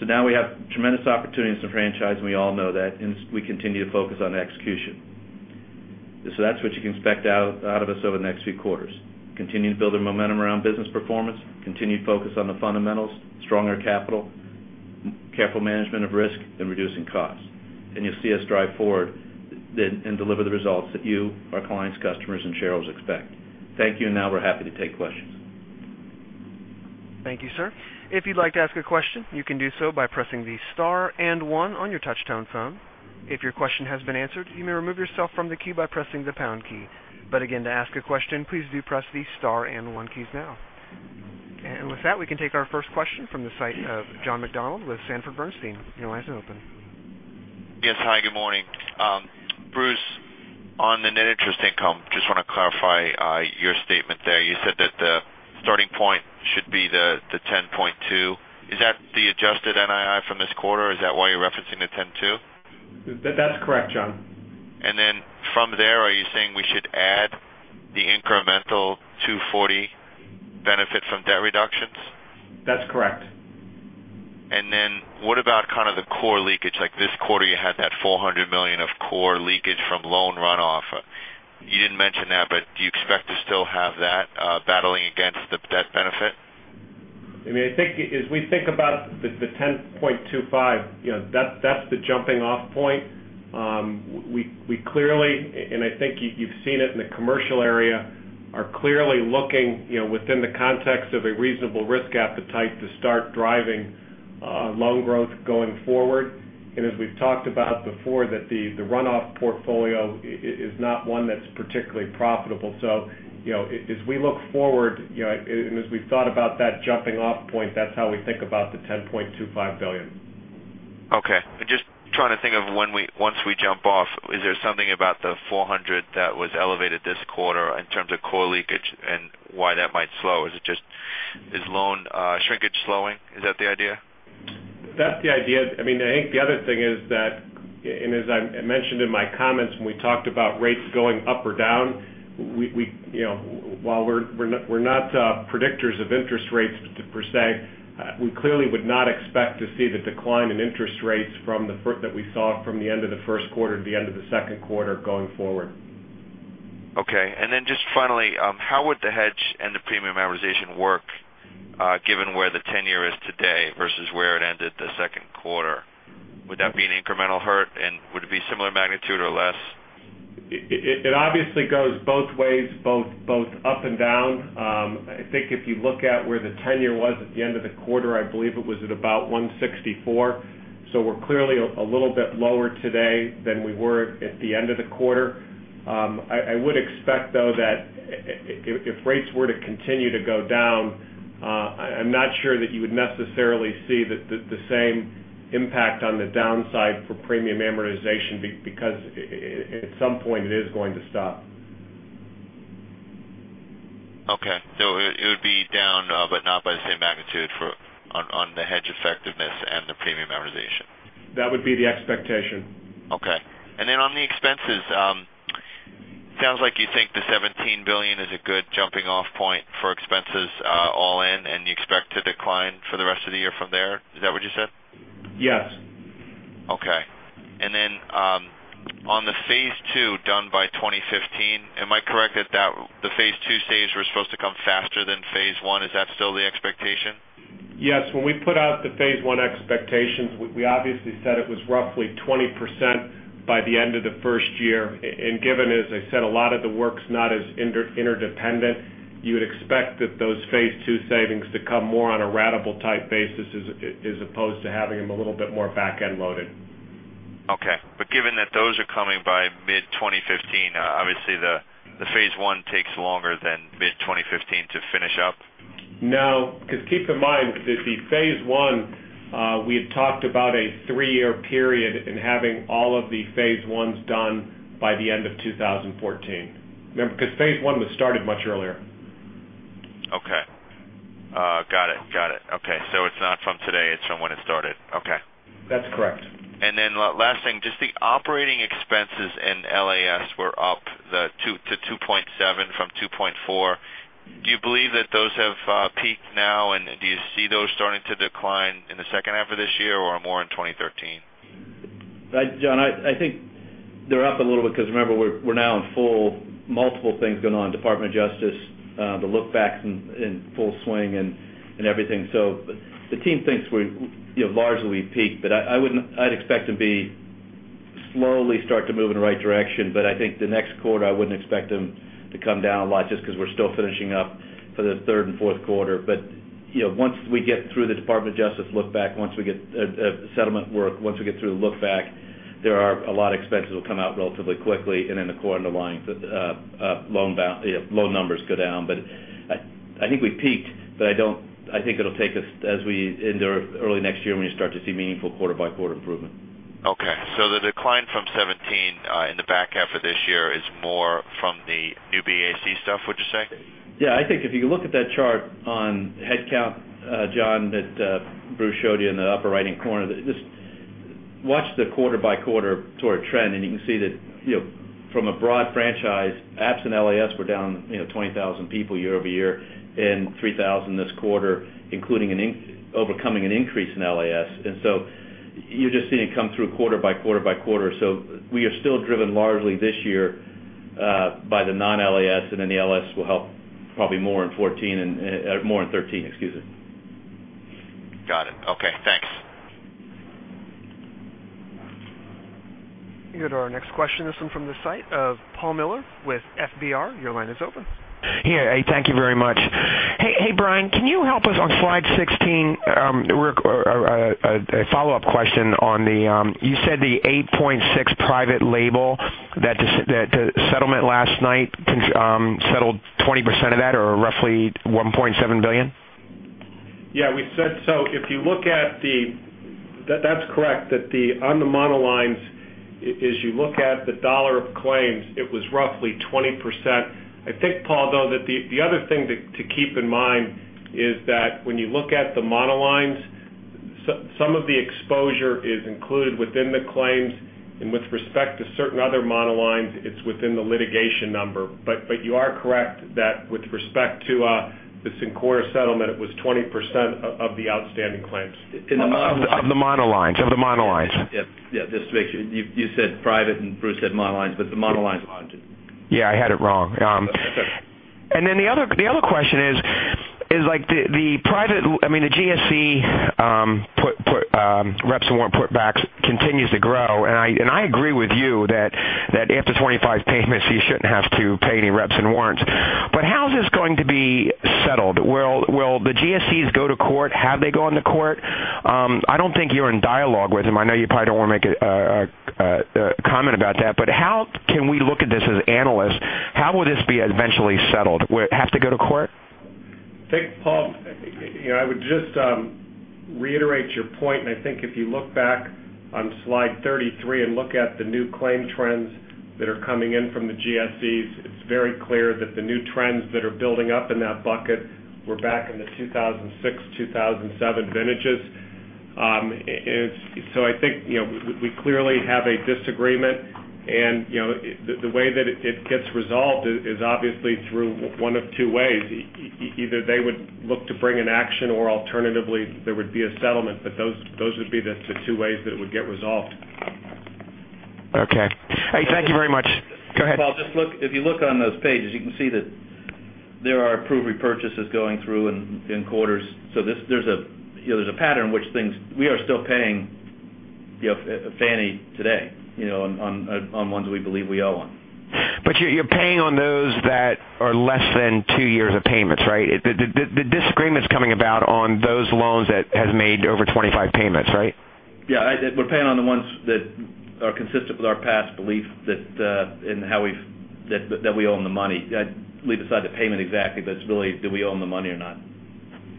We have tremendous opportunities to franchise, we all know that, we continue to focus on execution. That's what you can expect out of us over the next few quarters. Continue to build the momentum around business performance, continued focus on the fundamentals, stronger capital, careful management of risk and reducing costs. You'll see us drive forward and deliver the results that you, our clients, customers, and shareholders expect. Thank you. We're happy to take questions. Thank you, sir. If you'd like to ask a question, you can do so by pressing the star and one on your touch-tone phone. If your question has been answered, you may remove yourself from the queue by pressing the pound key. Again, to ask a question, please do press the star and one keys now. With that, we can take our first question from the site of John McDonald with Sanford Bernstein. Your line is open. Yes. Hi, good morning. Bruce, on the net interest income, just want to clarify your statement there. You said that the starting point should be the $10.2. Is that the adjusted NII from this quarter? Is that why you're referencing the $10.2? That's correct, John. From there, are you saying we should add the incremental $240 benefit from debt reductions? That's correct. What about the core leakage? Like this quarter, you had that $400 million of core leakage from loan runoff. You didn't mention that, do you expect to still have that battling against the debt benefit? As we think about the $10.25, that's the jumping off point. We clearly, and I think you've seen it in the commercial area, are clearly looking within the context of a reasonable risk appetite to start driving loan growth going forward. As we've talked about before, that the runoff portfolio is not one that's particularly profitable. As we look forward, and as we've thought about that jumping off point, that's how we think about the $10.25 billion. Okay. I'm just trying to think of once we jump off, is there something about the $400 that was elevated this quarter in terms of core leakage and why that might slow? Is loan shrinkage slowing? Is that the idea? That's the idea. I think the other thing is that, as I mentioned in my comments when we talked about rates going up or down, while we're not predictors of interest rates per se, we clearly would not expect to see the decline in interest rates that we saw from the end of the first quarter to the end of the second quarter going forward. Okay. Then just finally, how would the hedge and the premium amortization work, given where the ten-year is today versus where it ended the second quarter? Would that be an incremental hurt, and would it be similar magnitude or less? It obviously goes both ways, both up and down. I think if you look at where the ten-year was at the end of the quarter, I believe it was at about 164. We're clearly a little bit lower today than we were at the end of the quarter. I would expect, though, that if rates were to continue to go down, I'm not sure that you would necessarily see the same impact on the downside for premium amortization, because at some point it is going to stop. Okay. It would be down, but not by the same magnitude on the hedge effectiveness and the premium amortization. That would be the expectation. Okay. On the expenses, sounds like you think the $17 billion is a good jumping off point for expenses all in, you expect to decline for the rest of the year from there. Is that what you said? Yes. Okay. On the Phase 2 done by 2015, am I correct that the Phase 2 stage was supposed to come faster than Phase 1? Is that still the expectation? Yes. When we put out the Phase 1 expectations, we obviously said it was roughly 20% by the end of the first year. Given, as I said, a lot of the work's not as interdependent, you would expect that those Phase 2 savings to come more on a ratable type basis as opposed to having them a little bit more back-end loaded. Okay. Given that those are coming by mid-2015, obviously the Phase 1 takes longer than mid-2015 to finish up. No, because keep in mind that the Phase 1, we had talked about a three-year period in having all of the Phase 1s done by the end of 2014. Remember, because Phase 1 was started much earlier. Okay. Got it. It's not from today, it's from when it started. Okay. That's correct. Last thing, just the operating expenses in LAS were up to $2.7 from $2.4. Do you believe that those have peaked now, and do you see those starting to decline in the second half of this year or more in 2013? John, I think they're up a little bit because remember we're now in full multiple things going on, Department of Justice, the look back's in full swing and everything. The team thinks we've largely peaked, I'd expect to be slowly start to move in the right direction. I think the next quarter, I wouldn't expect them to come down a lot just because we're still finishing up for the third and fourth quarter. Once we get through the Department of Justice look back, once we get settlement work, once we get through the look back, there are a lot of expenses that will come out relatively quickly. The core underlying loan numbers go down. I think we peaked, I think it'll take us, as we enter early next year, when you start to see meaningful quarter-by-quarter improvement. Okay, the decline from 2017 in the back half of this year is more from the New BAC stuff, would you say? Yeah, I think if you look at that chart on headcount, John, that Bruce showed you in the upper right-hand corner, just watch the quarter-by-quarter sort of trend, you can see that from a broad franchise, apps and LAS were down 20,000 people year-over-year, and 3,000 this quarter, including overcoming an increase in LAS. You're just seeing it come through quarter by quarter by quarter. We are still driven largely this year by the non-LAS, and then the LAS will help probably more in 2014, more in 2013, excuse me. Got it. Okay, thanks. We go to our next question, this one from the site of Paul Miller with FBR. Your line is open. Thank you very much. Hey, Brian, can you help us on slide 16? A follow-up question on the, you said the $8.6 private label, that the settlement last night settled 20% of that or roughly $1.7 billion? We said so. That's correct, that on the monolines, as you look at the dollar of claims, it was roughly 20%. I think, Paul, though, that the other thing to keep in mind is that when you look at the monolines, some of the exposure is included within the claims, and with respect to certain other monolines, it's within the litigation number. You are correct that with respect to the Syncora settlement, it was 20% of the outstanding claims. Of the monolines. Yeah. Just to make sure. You said private and Bruce said monolines, but the monolines- Yeah, I had it wrong. That's okay. The other question is like, the GSE rep and warranty putbacks continues to grow, and I agree with you that after 25 payments, you shouldn't have to pay any rep and warranty. How is this going to be settled? Will the GSEs go to court? Have they gone to court? I don't think you're in dialogue with them. I know you probably don't want to make a comment about that, how can we look at this as analysts? How will this be eventually settled? Will it have to go to court? I think, Paul, I would just reiterate your point. I think if you look back on slide 33 and look at the new claim trends that are coming in from the GSEs, it's very clear that the new trends that are building up in that bucket were back in the 2006, 2007 vintages. I think we clearly have a disagreement. The way that it gets resolved is obviously through one of two ways. Either they would look to bring an action or alternatively, there would be a settlement, those would be the two ways that it would get resolved. Okay. Hey, thank you very much. Go ahead. Paul, if you look on those pages, you can see that there are approved repurchases going through in quarters. There's a pattern. We are still paying Fannie today on ones we believe we owe on. You're paying on those that are less than two years of payments, right? The disagreement's coming about on those loans that have made over 25 payments, right? Yeah. We're paying on the ones that are consistent with our past belief that we owe them the money. Leave aside the payment exactly, but it's really, do we owe them the money or not?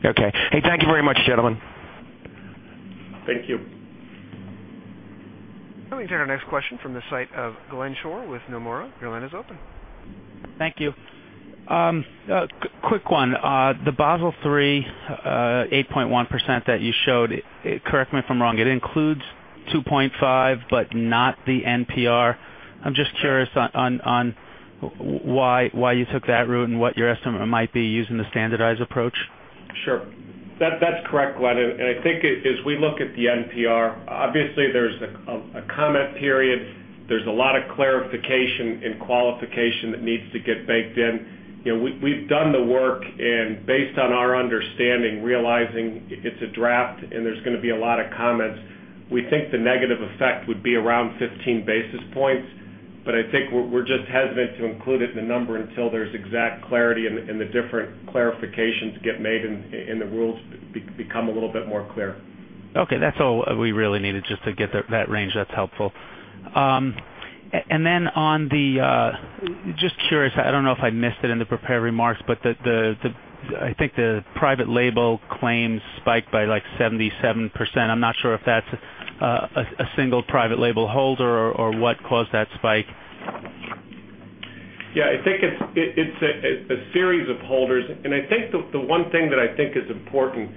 Okay. Hey, thank you very much, gentlemen. Thank you. Going to our next question from the site of Glenn Schorr with Nomura. Your line is open. Thank you. Quick one. The Basel III 8.1% that you showed, correct me if I'm wrong, it includes 2.5, but not the NPR. I'm just curious on why you took that route and what your estimate might be using the standardized approach. Sure. That's correct, Glenn. I think as we look at the NPR, obviously, there's a comment period. There's a lot of clarification and qualification that needs to get baked in. We've done the work, and based on our understanding, realizing it's a draft and there's going to be a lot of comments, we think the negative effect would be around 15 basis points. I think we're just hesitant to include it in the number until there's exact clarity and the different clarifications get made, and the rules become a little bit more clear. Okay, that's all we really needed just to get that range. That's helpful. Just curious, I don't know if I missed it in the prepared remarks, but I think the private label claims spiked by like 77%. I'm not sure if that's a single private label holder or what caused that spike. Yeah, I think it's a series of holders. I think the one thing that I think is important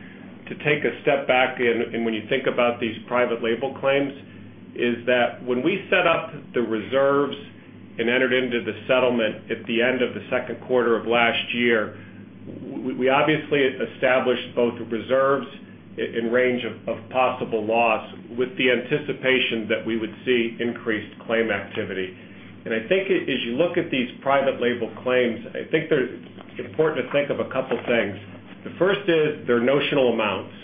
to take a step back, when you think about these private label claims, is that when we set up the reserves and entered into the settlement at the end of the second quarter of last year, we obviously established both reserves and range of possible loss with the anticipation that we would see increased claim activity. I think as you look at these private label claims, I think it's important to think of a couple things. The first is they're notional amounts.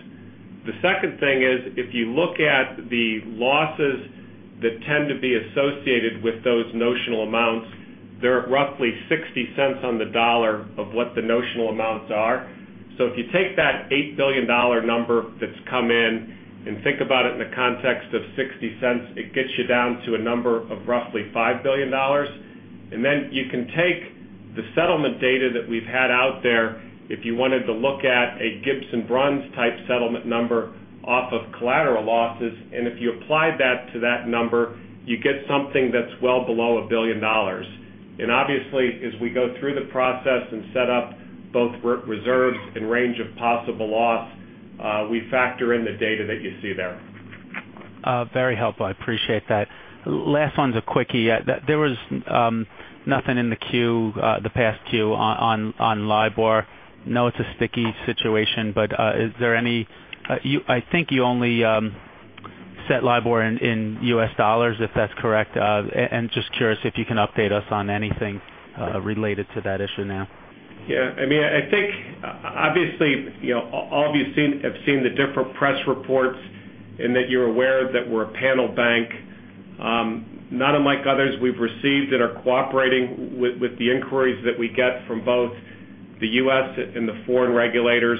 The second thing is, if you look at the losses that tend to be associated with those notional amounts, they're roughly $0.60 on the dollar of what the notional amounts are. If you take that $8 billion number that's come in and think about it in the context of $0.60, it gets you down to a number of roughly $5 billion. Then you can take the settlement data that we've had out there, if you wanted to look at a Gibbs & Bruns type settlement number off of collateral losses, if you applied that to that number, you get something that's well below $1 billion. Obviously, as we go through the process and set up both reserves and range of possible loss, we factor in the data that you see there. Very helpful. I appreciate that. Last one's a quickie. There was nothing in the queue, the past queue on LIBOR. I know it's a sticky situation, but I think you only set LIBOR in U.S. dollars, if that's correct, and just curious if you can update us on anything related to that issue now. Yeah. I think, obviously, all of you have seen the different press reports that you're aware that we're a panel bank. Not unlike others, we've received and are cooperating with the inquiries that we get from both the U.S. and the foreign regulators.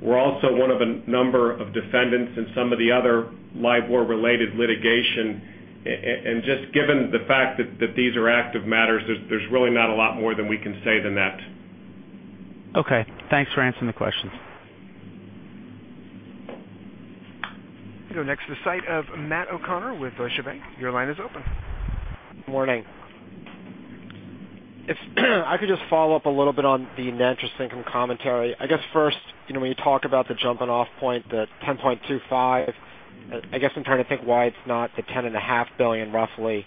We're also one of a number of defendants in some of the other LIBOR-related litigation. Just given the fact that these are active matters, there's really not a lot more that we can say than that. Okay. Thanks for answering the questions. We go next to the site of Matt O'Connor with Deutsche Bank. Your line is open. Morning. If I could just follow up a little bit on the net interest income commentary. I guess first, when you talk about the jumping off point, the $10.25, I guess I'm trying to think why it's not the $10.5 billion roughly,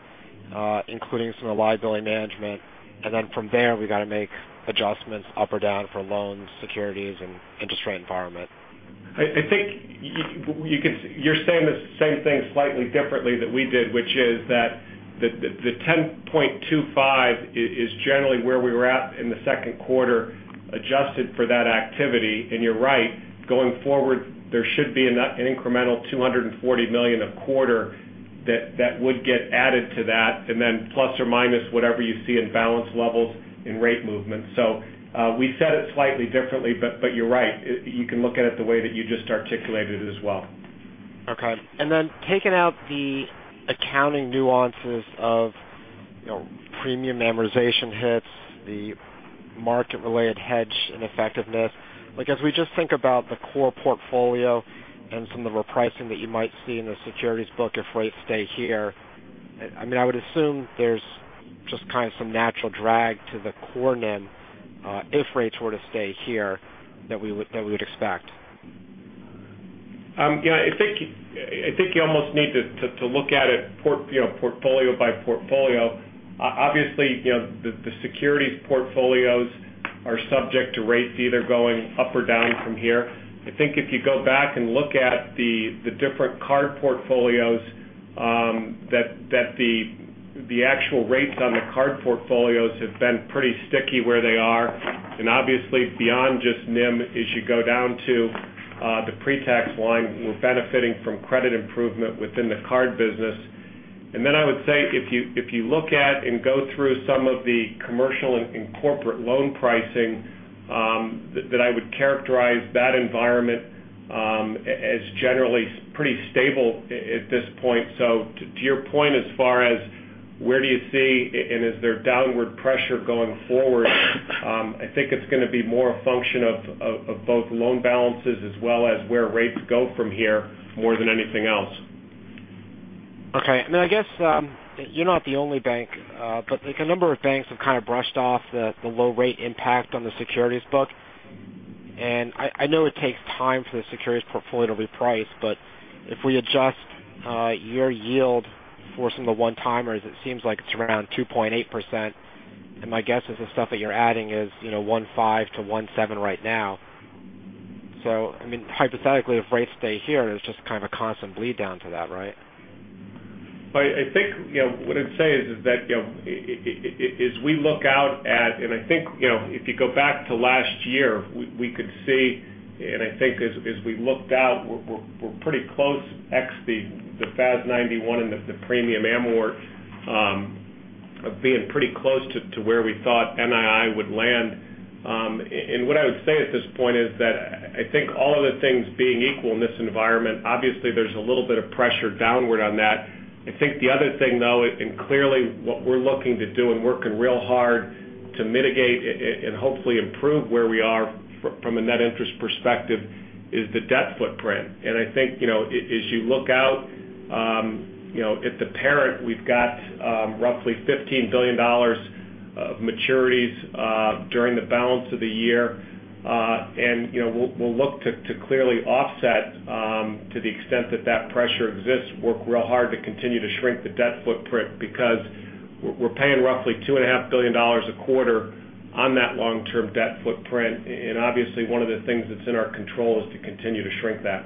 including some of the liability management. From there, we got to make adjustments up or down for loans, securities, and industry environment. I think you're saying the same thing slightly differently that we did, which is that the $10.25 is generally where we were at in the second quarter, adjusted for that activity. You're right. Going forward, there should be an incremental $240 million a quarter that would get added to that, plus or minus whatever you see in balance levels in rate movements. We said it slightly differently, but you're right. You can look at it the way that you just articulated it as well. Okay. Taking out the accounting nuances of premium amortization hits, the market-related hedge and effectiveness. As we just think about the core portfolio and some of the repricing that you might see in the securities book if rates stay here, I would assume there's just kind of some natural drag to the core NIM if rates were to stay here, that we would expect. I think you almost need to look at it portfolio by portfolio. Obviously, the securities portfolios are subject to rates either going up or down from here. I think if you go back and look at the different card portfolios, that the actual rates on the card portfolios have been pretty sticky where they are. Obviously, beyond just NIM, as you go down to the pre-tax line, we're benefiting from credit improvement within the card business. Then I would say if you look at and go through some of the commercial and corporate loan pricing, that I would characterize that environment as generally pretty stable at this point. To your point as far as where do you see and is there downward pressure going forward, I think it's going to be more a function of both loan balances as well as where rates go from here more than anything else. Okay. I guess you're not the only bank, but a number of banks have kind of brushed off the low rate impact on the securities book. I know it takes time for the securities portfolio to reprice, but if we adjust your yield for some of the one-timers, it seems like it's around 2.8%. My guess is the stuff that you're adding is 1.5 to 1.7 right now. Hypothetically, if rates stay here, there's just kind of a constant bleed down to that, right? I think what I'd say is that as we look out at, and I think if you go back to last year, we could see, and I think as we looked out, we're pretty close ex the FAS 91 and the premium amort of being pretty close to where we thought NII would land. What I would say at this point is that I think all other things being equal in this environment, obviously there's a little bit of pressure downward on that. I think the other thing, though, and clearly what we're looking to do and working real hard to mitigate and hopefully improve where we are from a net interest perspective is the debt footprint. I think as you look out at the parent, we've got roughly $15 billion of maturities during the balance of the year. We'll look to clearly offset to the extent that that pressure exists, work real hard to continue to shrink the debt footprint because we're paying roughly $2.5 billion a quarter on that long-term debt footprint. Obviously one of the things that's in our control is to continue to shrink that.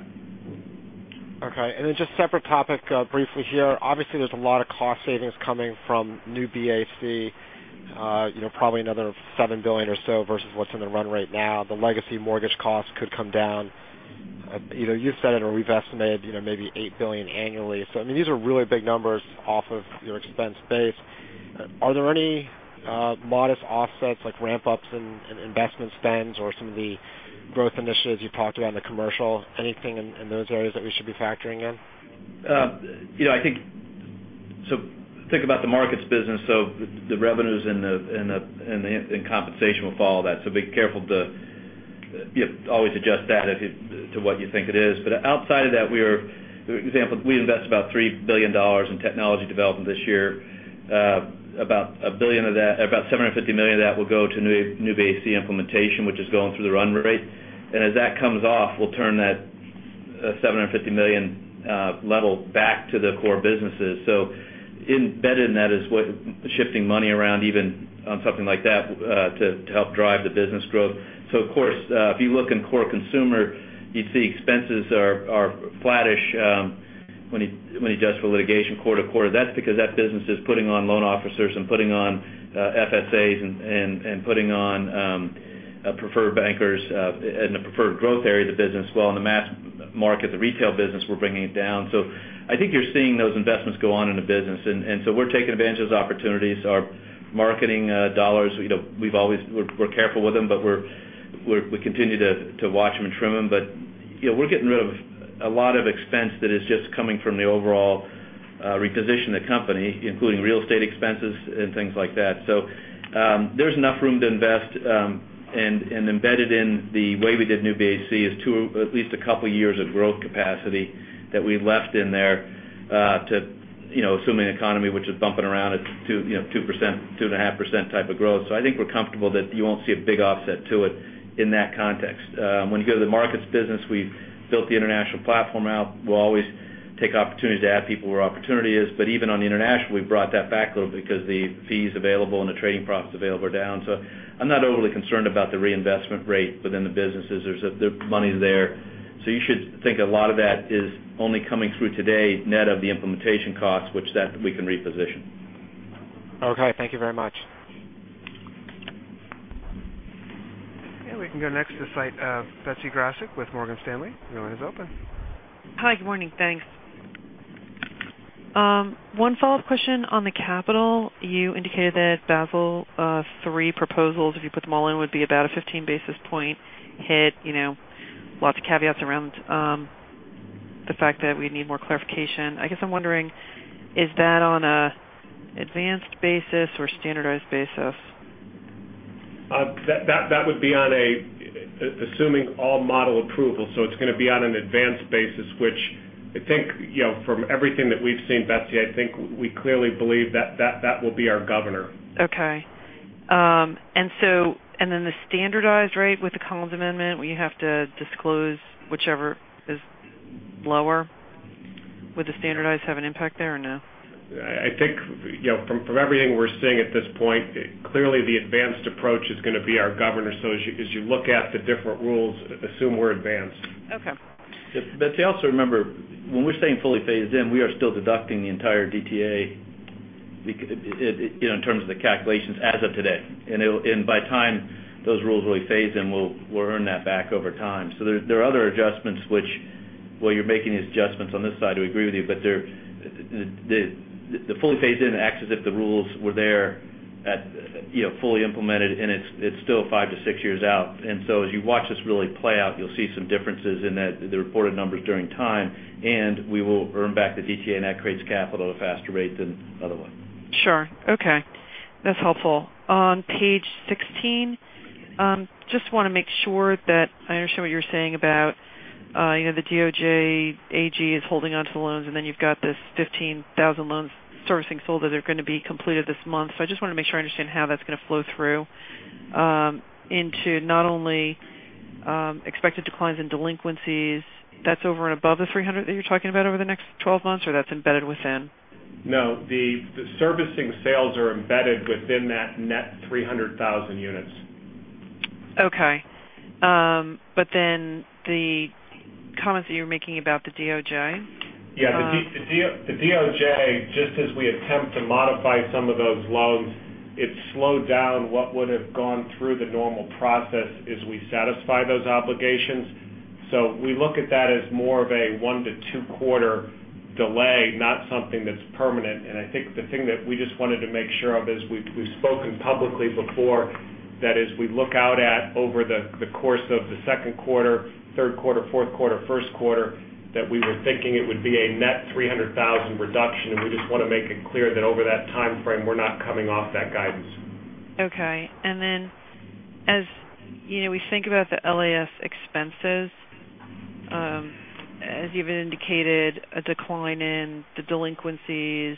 Okay. Just separate topic briefly here. Obviously, there's a lot of cost savings coming from New BAC, probably another $7 billion or so versus what's in the run rate now. The legacy mortgage costs could come down You've said it or we've estimated maybe $8 billion annually. These are really big numbers off of your expense base. Are there any modest offsets like ramp-ups in investment spends or some of the growth initiatives you talked about in the commercial? Anything in those areas that we should be factoring in? Think about the markets business. The revenues and compensation will follow that. Be careful to always adjust that to what you think it is. Outside of that, for example, we invest about $3 billion in technology development this year. About $750 million of that will go to Project New BAC implementation, which is going through the run rate. As that comes off, we'll turn that $750 million level back to the core businesses. Embedded in that is what shifting money around, even on something like that, to help drive the business growth. Of course, if you look in core consumer, you see expenses are flattish when you adjust for litigation quarter-over-quarter. That's because that business is putting on loan officers and putting on FSAs and putting on preferred bankers in the preferred growth area of the business. While in the mass market, the retail business, we're bringing it down. I think you're seeing those investments go on in the business. We're taking advantage of those opportunities. Our marketing dollars, we're careful with them, but we continue to watch them and trim them. We're getting rid of a lot of expense that is just coming from the overall reposition the company, including real estate expenses and things like that. There's enough room to invest, and embedded in the way we did Project New BAC is at least a couple of years of growth capacity that we've left in there, assuming the economy, which is bumping around at 2%-2.5% type of growth. I think we're comfortable that you won't see a big offset to it in that context. When you go to the markets business, we've built the international platform out. We'll always take opportunities to add people where opportunity is. Even on the international, we've brought that back a little bit because the fees available and the trading profits available are down. I'm not overly concerned about the reinvestment rate within the businesses. The money's there. You should think a lot of that is only coming through today net of the implementation costs, which that we can reposition. Okay. Thank you very much. We can go next to the site, Betsy Graseck with Morgan Stanley. Your line is open. Hi, good morning. Thanks. One follow-up question on the capital. You indicated that Basel III proposals, if you put them all in, would be about a 15 basis point hit. Lots of caveats around the fact that we need more clarification. I guess I'm wondering, is that on an advanced basis or standardized basis? That would be assuming all model approval. It's going to be on an advanced basis, which I think from everything that we've seen, Betsy, I think we clearly believe that will be our governor. Okay. The standardized rate with the Collins amendment, we have to disclose whichever is lower. Would the standardized have an impact there or no? I think from everything we're seeing at this point, clearly the advanced approach is going to be our governor. As you look at the different rules, assume we're advanced. Okay. Betsy, also remember, when we're saying fully phased in, we are still deducting the entire DTA in terms of the calculations as of today. By time those rules really phase in, we'll earn that back over time. There are other adjustments which, while you're making these adjustments on this side, we agree with you, but the fully phased in acts as if the rules were there fully implemented, and it's still five to six years out. As you watch this really play out, you'll see some differences in the reported numbers during time, and we will earn back the DTA, and that creates capital at a faster rate than otherwise. Sure. Okay. That's helpful. On page 16, just want to make sure that I understand what you're saying about the DOJ AG is holding onto the loans, and then you've got this 15,000 loans servicing sold that are going to be completed this month. I just want to make sure I understand how that's going to flow through into not only expected declines in delinquencies. That's over and above the 300 that you're talking about over the next 12 months, or that's embedded within? No, the servicing sales are embedded within that net 300,000 units. Okay. The comments that you were making about the DOJ. Yeah, the DOJ, just as we attempt to modify some of those loans, it slowed down what would have gone through the normal process as we satisfy those obligations. We look at that as more of a one to two-quarter delay, not something that's permanent. I think the thing that we just wanted to make sure of is we've spoken publicly before that as we look out at over the course of the second quarter, third quarter, fourth quarter, first quarter, that we were thinking it would be a net 300,000 reduction, and we just want to make it clear that over that timeframe, we're not coming off that guidance. Okay. As we think about the LAS expenses, as you've indicated, a decline in the delinquencies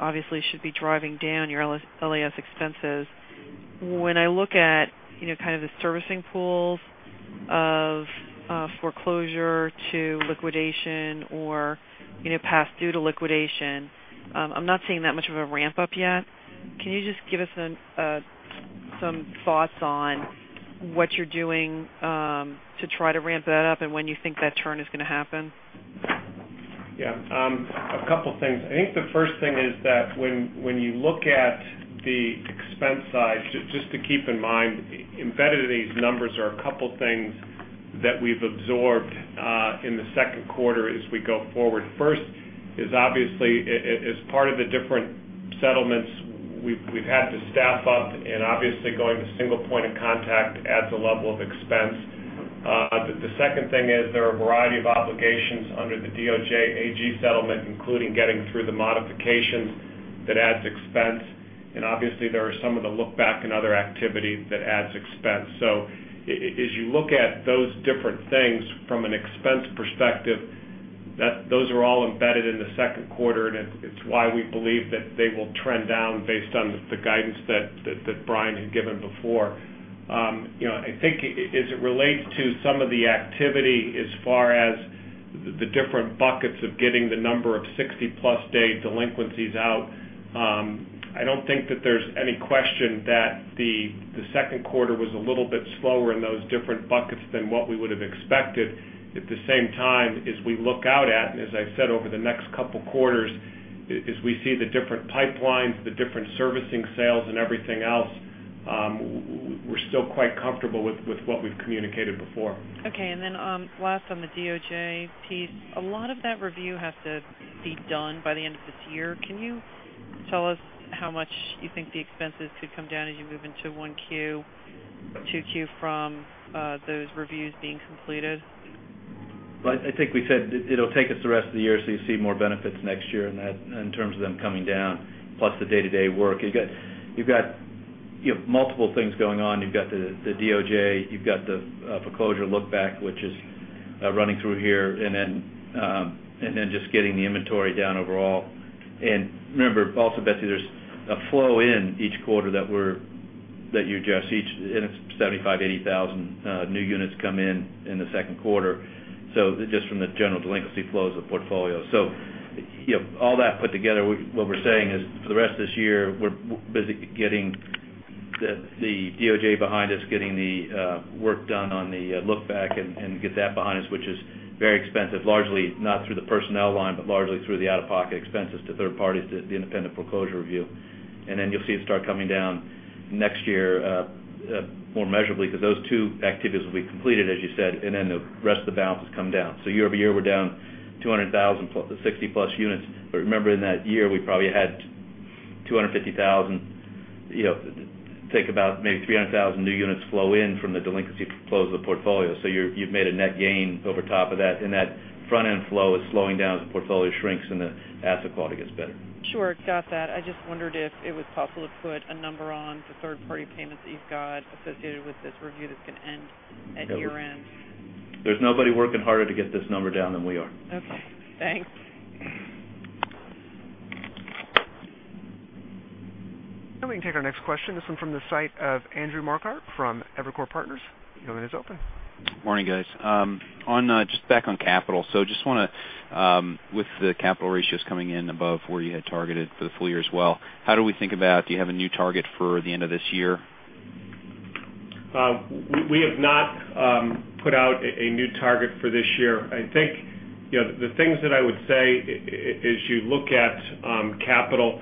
obviously should be driving down your LAS expenses. When I look at kind of the servicing pools of foreclosure to liquidation or past due to liquidation, I'm not seeing that much of a ramp-up yet. Can you just give us some thoughts on what you're doing to try to ramp that up and when you think that turn is going to happen? Yeah. A couple things. I think the first thing is that when you look at the expense side, just to keep in mind, embedded in these numbers are a couple things that we've absorbed in the second quarter as we go forward. First is obviously, as part of the different settlements, we've had to staff up, and obviously going to single point of contact adds a level of expense. The second thing is there are a variety of obligations under the DOJ AG settlement, including getting through the modifications. That adds expense. Obviously, there are some of the look-back and other activity that adds expense. As you look at those different things from an expense perspective, those are all embedded in the second quarter, and it's why we believe that they will trend down based on the guidance that Brian had given before. I think as it relates to some of the activity as far as the different buckets of getting the number of 60-plus day delinquencies out, I don't think that there's any question that the second quarter was a little bit slower in those different buckets than what we would have expected. At the same time, as we look out at, as I said over the next couple quarters, as we see the different pipelines, the different servicing sales and everything else, we're still quite comfortable with what we've communicated before. Okay, last on the DOJ piece. A lot of that review has to be done by the end of this year. Can you tell us how much you think the expenses could come down as you move into 1Q, 2Q from those reviews being completed? I think we said it'll take us the rest of the year, you see more benefits next year in terms of them coming down, plus the day-to-day work. You've got multiple things going on. You've got the DOJ, you've got the foreclosure look-back, which is running through here, just getting the inventory down overall. Remember also, Betsy, there's a flow in each quarter that you address. Each 75,000, 80,000 new units come in in the second quarter, just from the general delinquency flows of portfolio. All that put together, what we're saying is for the rest of this year, we're busy getting the DOJ behind us, getting the work done on the look-back, get that behind us, which is very expensive. Largely not through the personnel line, but largely through the out-of-pocket expenses to third parties, the independent foreclosure review. You'll see it start coming down next year more measurably because those two activities will be completed, as you said, the rest of the balances come down. Year-over-year, we're down 200,000 plus the 60-plus units. Remember, in that year, we probably had 250,000, think about maybe 300,000 new units flow in from the delinquency flows of the portfolio. You've made a net gain over top of that front-end flow is slowing down as the portfolio shrinks and the asset quality gets better. Sure. Got that. I just wondered if it was possible to put a number on the third-party payments that you've got associated with this review that's going to end at year-end. There's nobody working harder to get this number down than we are. Okay, thanks. Now we can take our next question. This one from the site of Andrew Marquardt from Evercore Partners. Your line is open. Morning, guys. Just back on capital. With the capital ratios coming in above where you had targeted for the full year as well, how do we think about, do you have a new target for the end of this year? We have not put out a new target for this year. I think the things that I would say as you look at capital,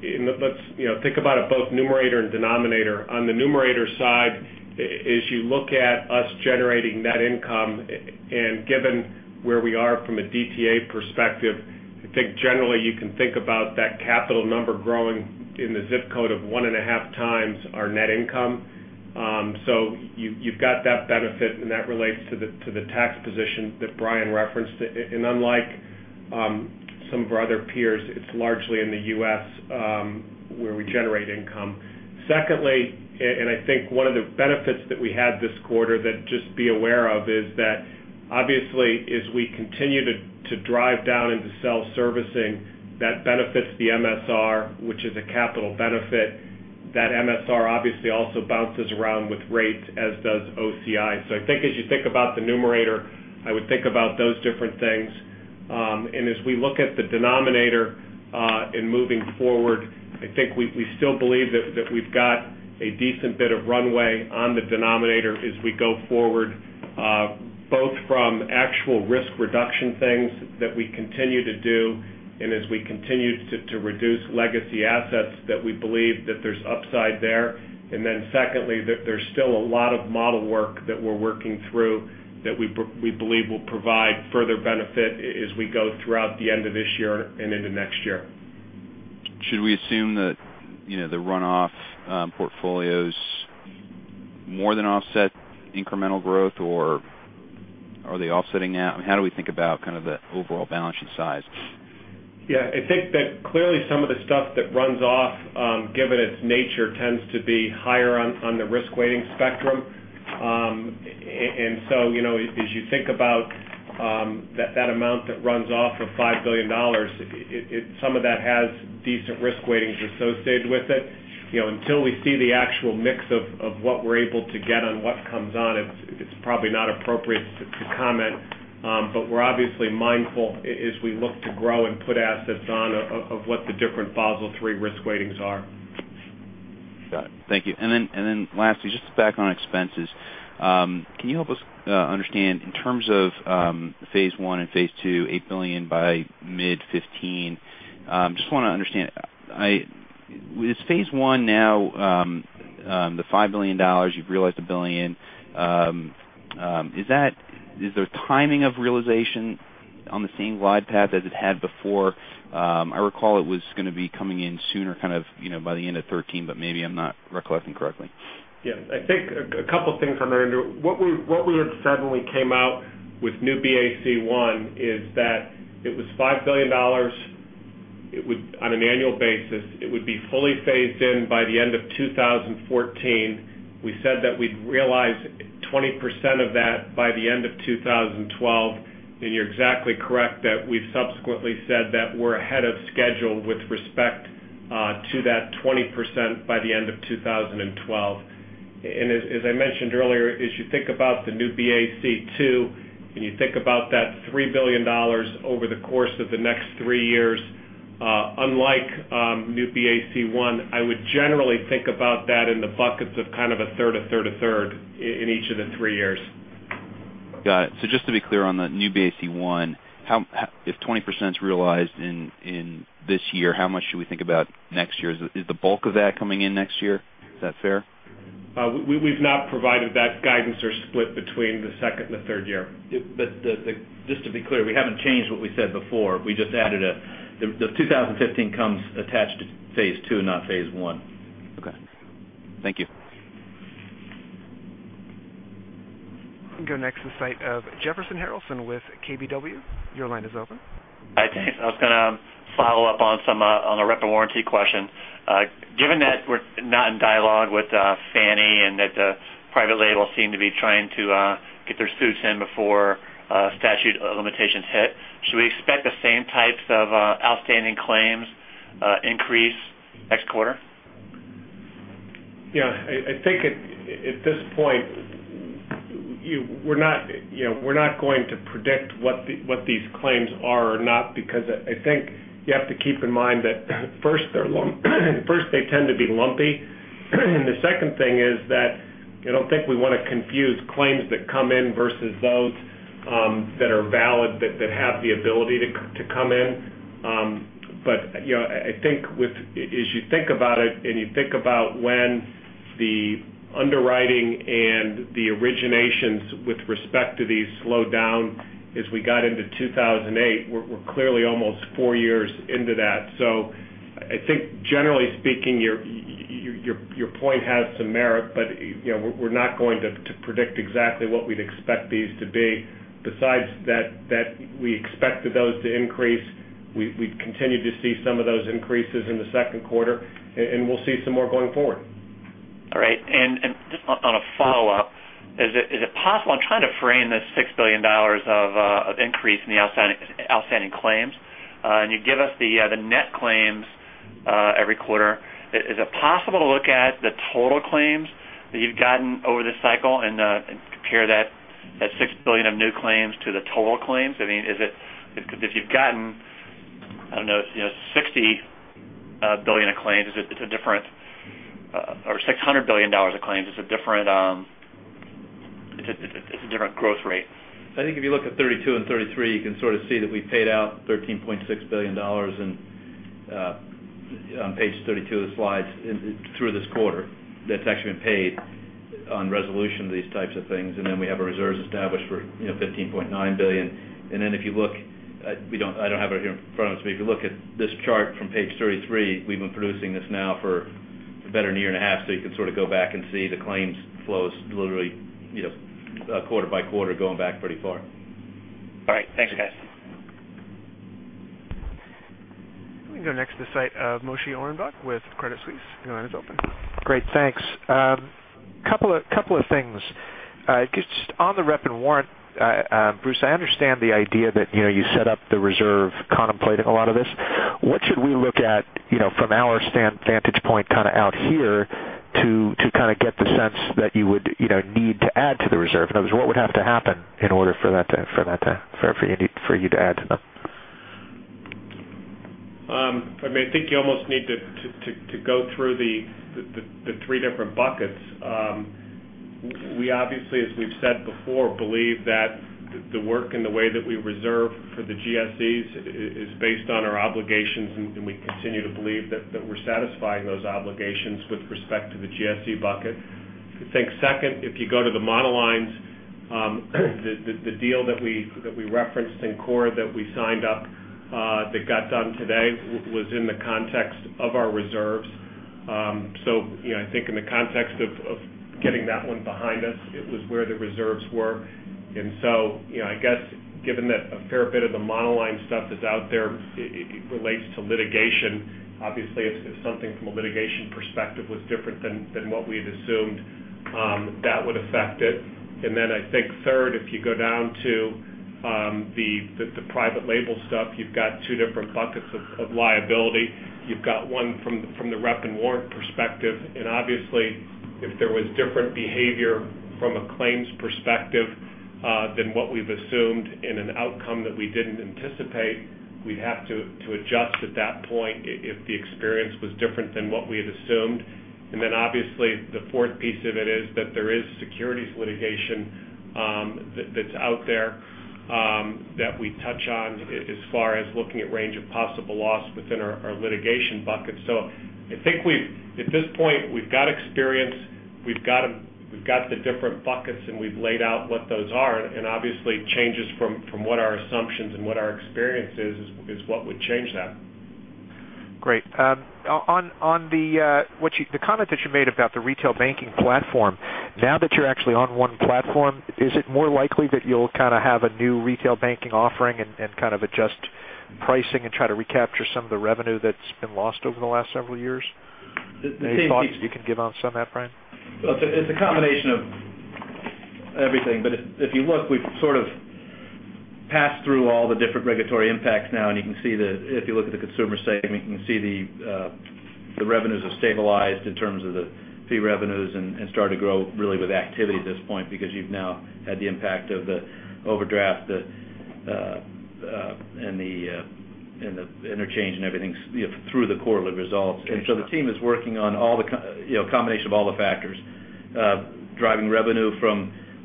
think about it both numerator and denominator. On the numerator side, as you look at us generating net income and given where we are from a DTA perspective, I think generally you can think about that capital number growing in the zip code of one and a half times our net income. You've got that benefit, and that relates to the tax position that Brian referenced. Unlike some of our other peers, it's largely in the U.S. where we generate income. Secondly, I think one of the benefits that we had this quarter that just be aware of is that obviously, as we continue to drive down into self-servicing, that benefits the MSR, which is a capital benefit. That MSR obviously also bounces around with rates, as does OCI. I think as you think about the numerator, I would think about those different things. As we look at the denominator in moving forward, I think we still believe that we've got a decent bit of runway on the denominator as we go forward, both from actual risk reduction things that we continue to do and as we continue to reduce legacy assets that we believe that there's upside there. Then secondly, that there's still a lot of model work that we're working through that we believe will provide further benefit as we go throughout the end of this year and into next year. Should we assume that the runoff portfolios more than offset incremental growth, or are they offsetting out? How do we think about kind of the overall balance and size? Yeah, I think that clearly some of the stuff that runs off, given its nature, tends to be higher on the risk weighting spectrum. As you think about that amount that runs off of $5 billion, some of that has decent risk weightings associated with it. Until we see the actual mix of what we're able to get on what comes on, it's probably not appropriate to comment. We're obviously mindful as we look to grow and put assets on of what the different Basel III risk weightings are. Got it. Thank you. Lastly, just back on expenses. Can you help us understand in terms of Phase 1 and Phase 2, $8 billion by mid 2015? Just want to understand. With Phase 1 now, the $5 billion, you've realized $1 billion. Is the timing of realization on the same glide path as it had before? I recall it was going to be coming in sooner, by the end of 2013, maybe I'm not recollecting correctly. Yeah. I think a couple of things, Andrew. What we had said when we came out with New BAC One is that it was $5 billion on an annual basis. It would be fully phased in by the end of 2014. We said that we'd realize 20% of that by the end of 2012. You're exactly correct that we've subsequently said that we're ahead of schedule with respect to that 20% by the end of 2012. As I mentioned earlier, as you think about the New BAC Two, you think about that $3 billion over the course of the next three years, unlike New BAC One, I would generally think about that in the buckets of kind of a third, a third, a third in each of the three years. Got it. Just to be clear on the New BAC One, if 20%'s realized in this year, how much should we think about next year? Is the bulk of that coming in next year? Is that fair? We've not provided that guidance or split between the second and the third year. Just to be clear, we haven't changed what we said before. We just added the 2015 comes attached to Phase 2, not Phase 1. Okay. Thank you. We'll go next to Jefferson Harralson with KBW. Your line is open. Hi, thanks. I was going to follow up on a rep and warranty question. Given that we're not in dialogue with Fannie and that the private labels seem to be trying to get their suits in before statute of limitations hit, should we expect the same types of outstanding claims increase next quarter? Yeah. I think at this point, we're not going to predict what these claims are or not because I think you have to keep in mind that first, they tend to be lumpy. The second thing is that I don't think we want to confuse claims that come in versus those that are valid, that have the ability to come in. I think as you think about it, and you think about when the underwriting and the originations with respect to these slowed down as we got into 2008, we're clearly almost four years into that. I think generally speaking, your point has some merit, but we're not going to predict exactly what we'd expect these to be. Besides that, we expected those to increase. We've continued to see some of those increases in the second quarter, and we'll see some more going forward. All right. Just on a follow-up, is it possible-- I'm trying to frame this $6 billion of increase in the outstanding claims. You give us the net claims every quarter. Is it possible to look at the total claims that you've gotten over this cycle and compare that $6 billion of new claims to the total claims? I mean, if you've gotten, I don't know, $60 billion of claims, it's a different, or $600 billion of claims, it's a different growth rate. I think if you look at 32 and 33, you can sort of see that we paid out $13.6 billion on page 32 of the slides through this quarter. That's actually been paid on resolution of these types of things. Then we have our reserves established for $15.9 billion. Then if you look, I don't have it here in front of us, but if you look at this chart from page 33, we've been producing this now for a better than a year and a half. You can sort of go back and see the claims flows literally quarter by quarter going back pretty far. All right. Thanks, guys. Let me go next to Moshe Orenbuch with Credit Suisse. Your line is open. Great. Thanks. Couple of things. Just on the rep and warrant, Bruce, I understand the idea that you set up the reserve contemplating a lot of this. What should we look at from our vantage point kind of out here to kind of get the sense that you would need to add to the reserve? In other words, what would have to happen in order for you to add to them? I think you almost need to go through the three different buckets. We obviously, as we've said before, believe that the work and the way that we reserve for the GSEs is based on our obligations, and we continue to believe that we're satisfying those obligations with respect to the GSE bucket. I think second, if you go to the monolines, the deal that we referenced in Syncora that we signed up that got done today was in the context of our reserves. I think in the context of getting that one behind us, it was where the reserves were. I guess given that a fair bit of the monoline stuff that's out there relates to litigation. Obviously, if something from a litigation perspective was different than what we had assumed, that would affect it. I think third, if you go down to the private label stuff, you've got two different buckets of liability. You've got one from the rep and warrant perspective. Obviously, if there was different behavior from a claims perspective than what we've assumed in an outcome that we didn't anticipate, we'd have to adjust at that point if the experience was different than what we had assumed. Obviously, the fourth piece of it is that there is securities litigation That's out there that we touch on as far as looking at range of possible loss within our litigation bucket. I think at this point, we've got experience, we've got the different buckets, and we've laid out what those are. Obviously, changes from what our assumptions and what our experience is what would change that. Great. On the comment that you made about the retail banking platform. Now that you're actually on one platform, is it more likely that you'll have a new retail banking offering and adjust pricing and try to recapture some of the revenue that's been lost over the last several years? The same thing- Any thoughts you can give on some of that, Brian? It's a combination of everything. If you look, we've sort of passed through all the different regulatory impacts now. If you look at the consumer segment, you can see the revenues have stabilized in terms of the fee revenues and started to grow really with activity at this point because you've now had the impact of the overdraft and the interchange and everything through the quarterly results. Okay. The team is working on a combination of all the factors. Driving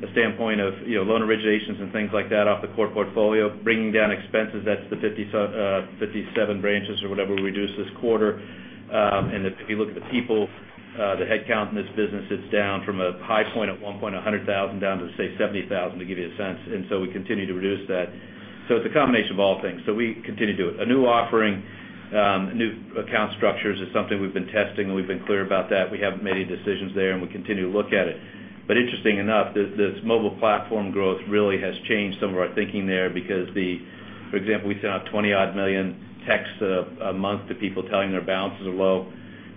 revenue from the standpoint of loan originations and things like that off the core portfolio. Bringing down expenses, that's the 57 branches or whatever we reduced this quarter. If you look at the people, the headcount in this business, it's down from a high point at one point 100,000 down to, say, 70,000 to give you a sense. We continue to reduce that. It's a combination of all things. We continue to do it. A new offering, new account structures is something we've been testing, and we've been clear about that. We haven't made any decisions there, and we continue to look at it. Interesting enough, this mobile platform growth really has changed some of our thinking there because, for example, we send out 20-odd million texts a month to people telling their balances are low.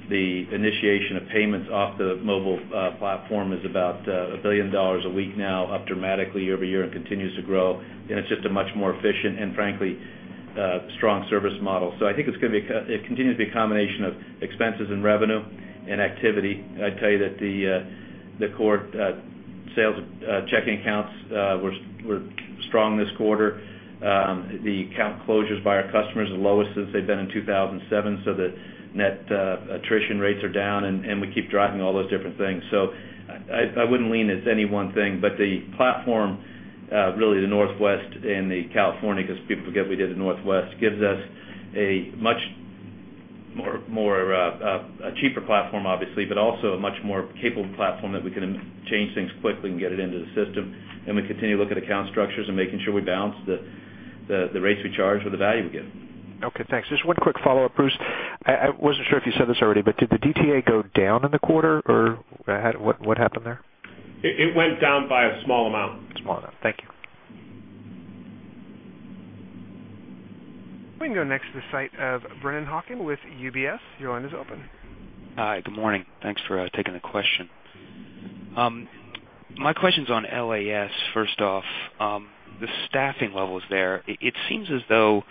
The initiation of payments off the mobile platform is about $1 billion a week now, up dramatically year-over-year and continues to grow. It's just a much more efficient and frankly, strong service model. I think it continues to be a combination of expenses and revenue and activity. I'd tell you that the core sales of checking accounts were strong this quarter. The account closures by our customers, the lowest since they've been in 2007. The net attrition rates are down, and we keep driving all those different things. I wouldn't lean as any one thing, but the platform, really the Northwest and the California, because people forget we did the Northwest, gives us a cheaper platform, obviously, but also a much more capable platform that we can change things quickly and get it into the system. We continue to look at account structures and making sure we balance the rates we charge with the value we give. Okay, thanks. Just one quick follow-up, Bruce. I wasn't sure if you said this already, but did the DTA go down in the quarter or what happened there? It went down by a small amount. Small amount. Thank you. We can go next to the site of Brennan Hawken with UBS. Your line is open. Hi. Good morning. Thanks for taking the question. My question's on LAS, first off. The staffing levels there, it seems as though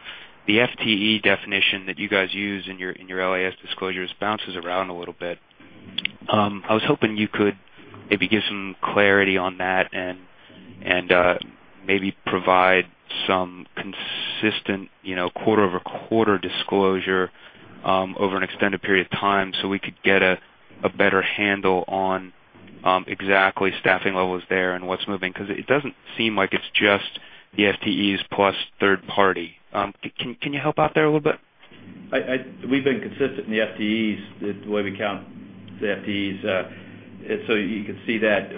the FTE definition that you guys use in your LAS disclosures bounces around a little bit. I was hoping you could maybe give some clarity on that and maybe provide some consistent quarter-over-quarter disclosure over an extended period of time so we could get a better handle on exactly staffing levels there and what's moving, because it doesn't seem like it's just the FTEs plus third party. Can you help out there a little bit? We've been consistent in the FTEs, the way we count the FTEs. You can see that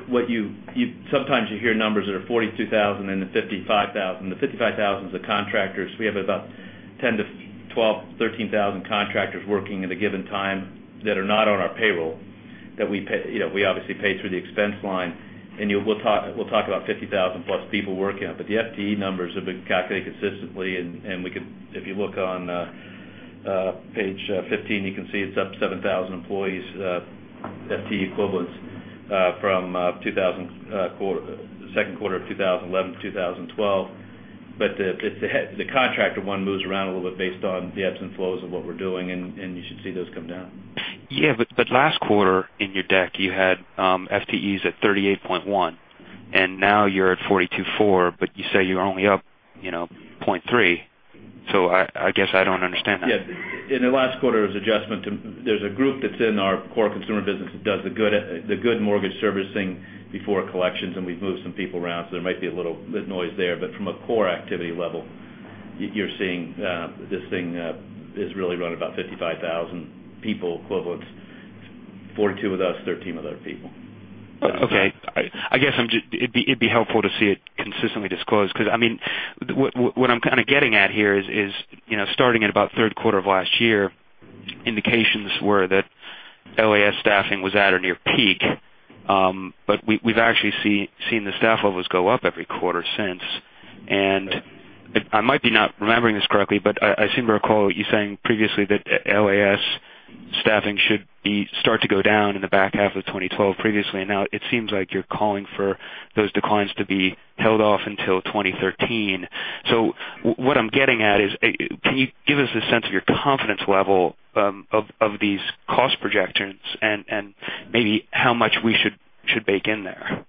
sometimes you hear numbers that are 42,000 and the 55,000. The 55,000 is the contractors. We have about 10 to 12, 13,000 contractors working at a given time that are not on our payroll, that we obviously pay through the expense line. We'll talk about 50,000-plus people working on it. The FTE numbers have been calculated consistently, and if you look on page 15, you can see it's up 7,000 employees, FTE equivalents from second quarter of 2011 to 2012. The contractor one moves around a little bit based on the ebbs and flows of what we're doing, and you should see those come down. Yeah. Last quarter in your deck, you had FTEs at 38.1, and now you're at 42.4, but you say you're only up 0.3. I guess I don't understand that. Yeah. In the last quarter, there was an adjustment. There's a group that's in our core consumer business that does the good mortgage servicing before collections, and we've moved some people around. There might be a little bit noise there. From a core activity level, you're seeing this thing is really around about 55,000 people equivalents, 42 with us, 13 with other people. Okay. I guess it'd be helpful to see it consistently disclosed because what I'm kind of getting at here is starting at about third quarter of last year, indications were that LAS staffing was at or near peak. We've actually seen the staff levels go up every quarter since. I might be not remembering this correctly, but I seem to recall you saying previously that LAS staffing should start to go down in the back half of 2012 previously. Now it seems like you're calling for those declines to be held off until 2013. Can you give us a sense of your confidence level of these cost projections and maybe how much we should bake in there?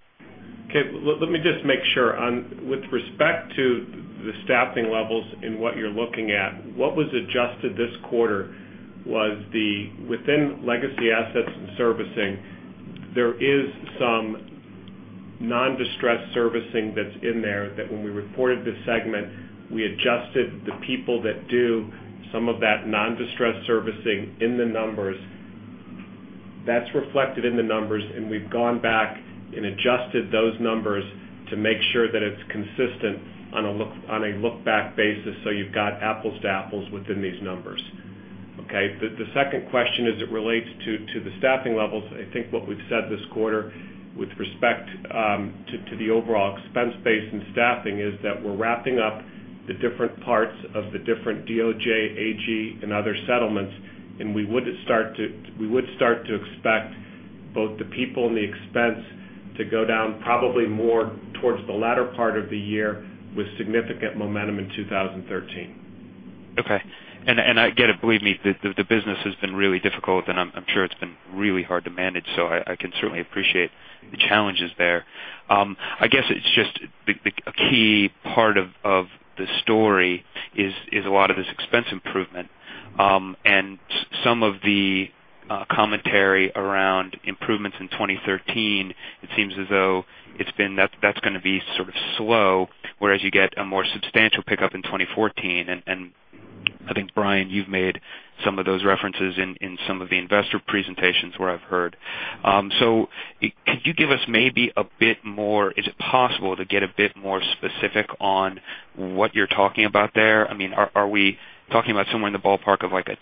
Okay. Let me just make sure. With respect to the staffing levels and what you're looking at, what was adjusted this quarter was within legacy assets and servicing, there is some non-distressed servicing that's in there that when we reported this segment, we adjusted the people that do some of that non-distressed servicing in the numbers. That's reflected in the numbers. We've gone back and adjusted those numbers to make sure that it's consistent on a look-back basis, you've got apples to apples within these numbers. Okay. The second question as it relates to the staffing levels, I think what we've said this quarter with respect to the overall expense base and staffing is that we're wrapping up the different parts of the different DOJ, AG, and other settlements. We would start to expect both the people and the expense to go down probably more towards the latter part of the year with significant momentum in 2013. Okay. I get it. Believe me, the business has been really difficult, and I'm sure it's been really hard to manage, I can certainly appreciate the challenges there. I guess it's just a key part of the story is a lot of this expense improvement. Some of the commentary around improvements in 2013, it seems as though that's going to be sort of slow, whereas you get a more substantial pickup in 2014. I think, Brian, you've made some of those references in some of the investor presentations where I've heard. Could you give us maybe a bit more, is it possible to get a bit more specific on what you're talking about there? Are we talking about somewhere in the ballpark of like a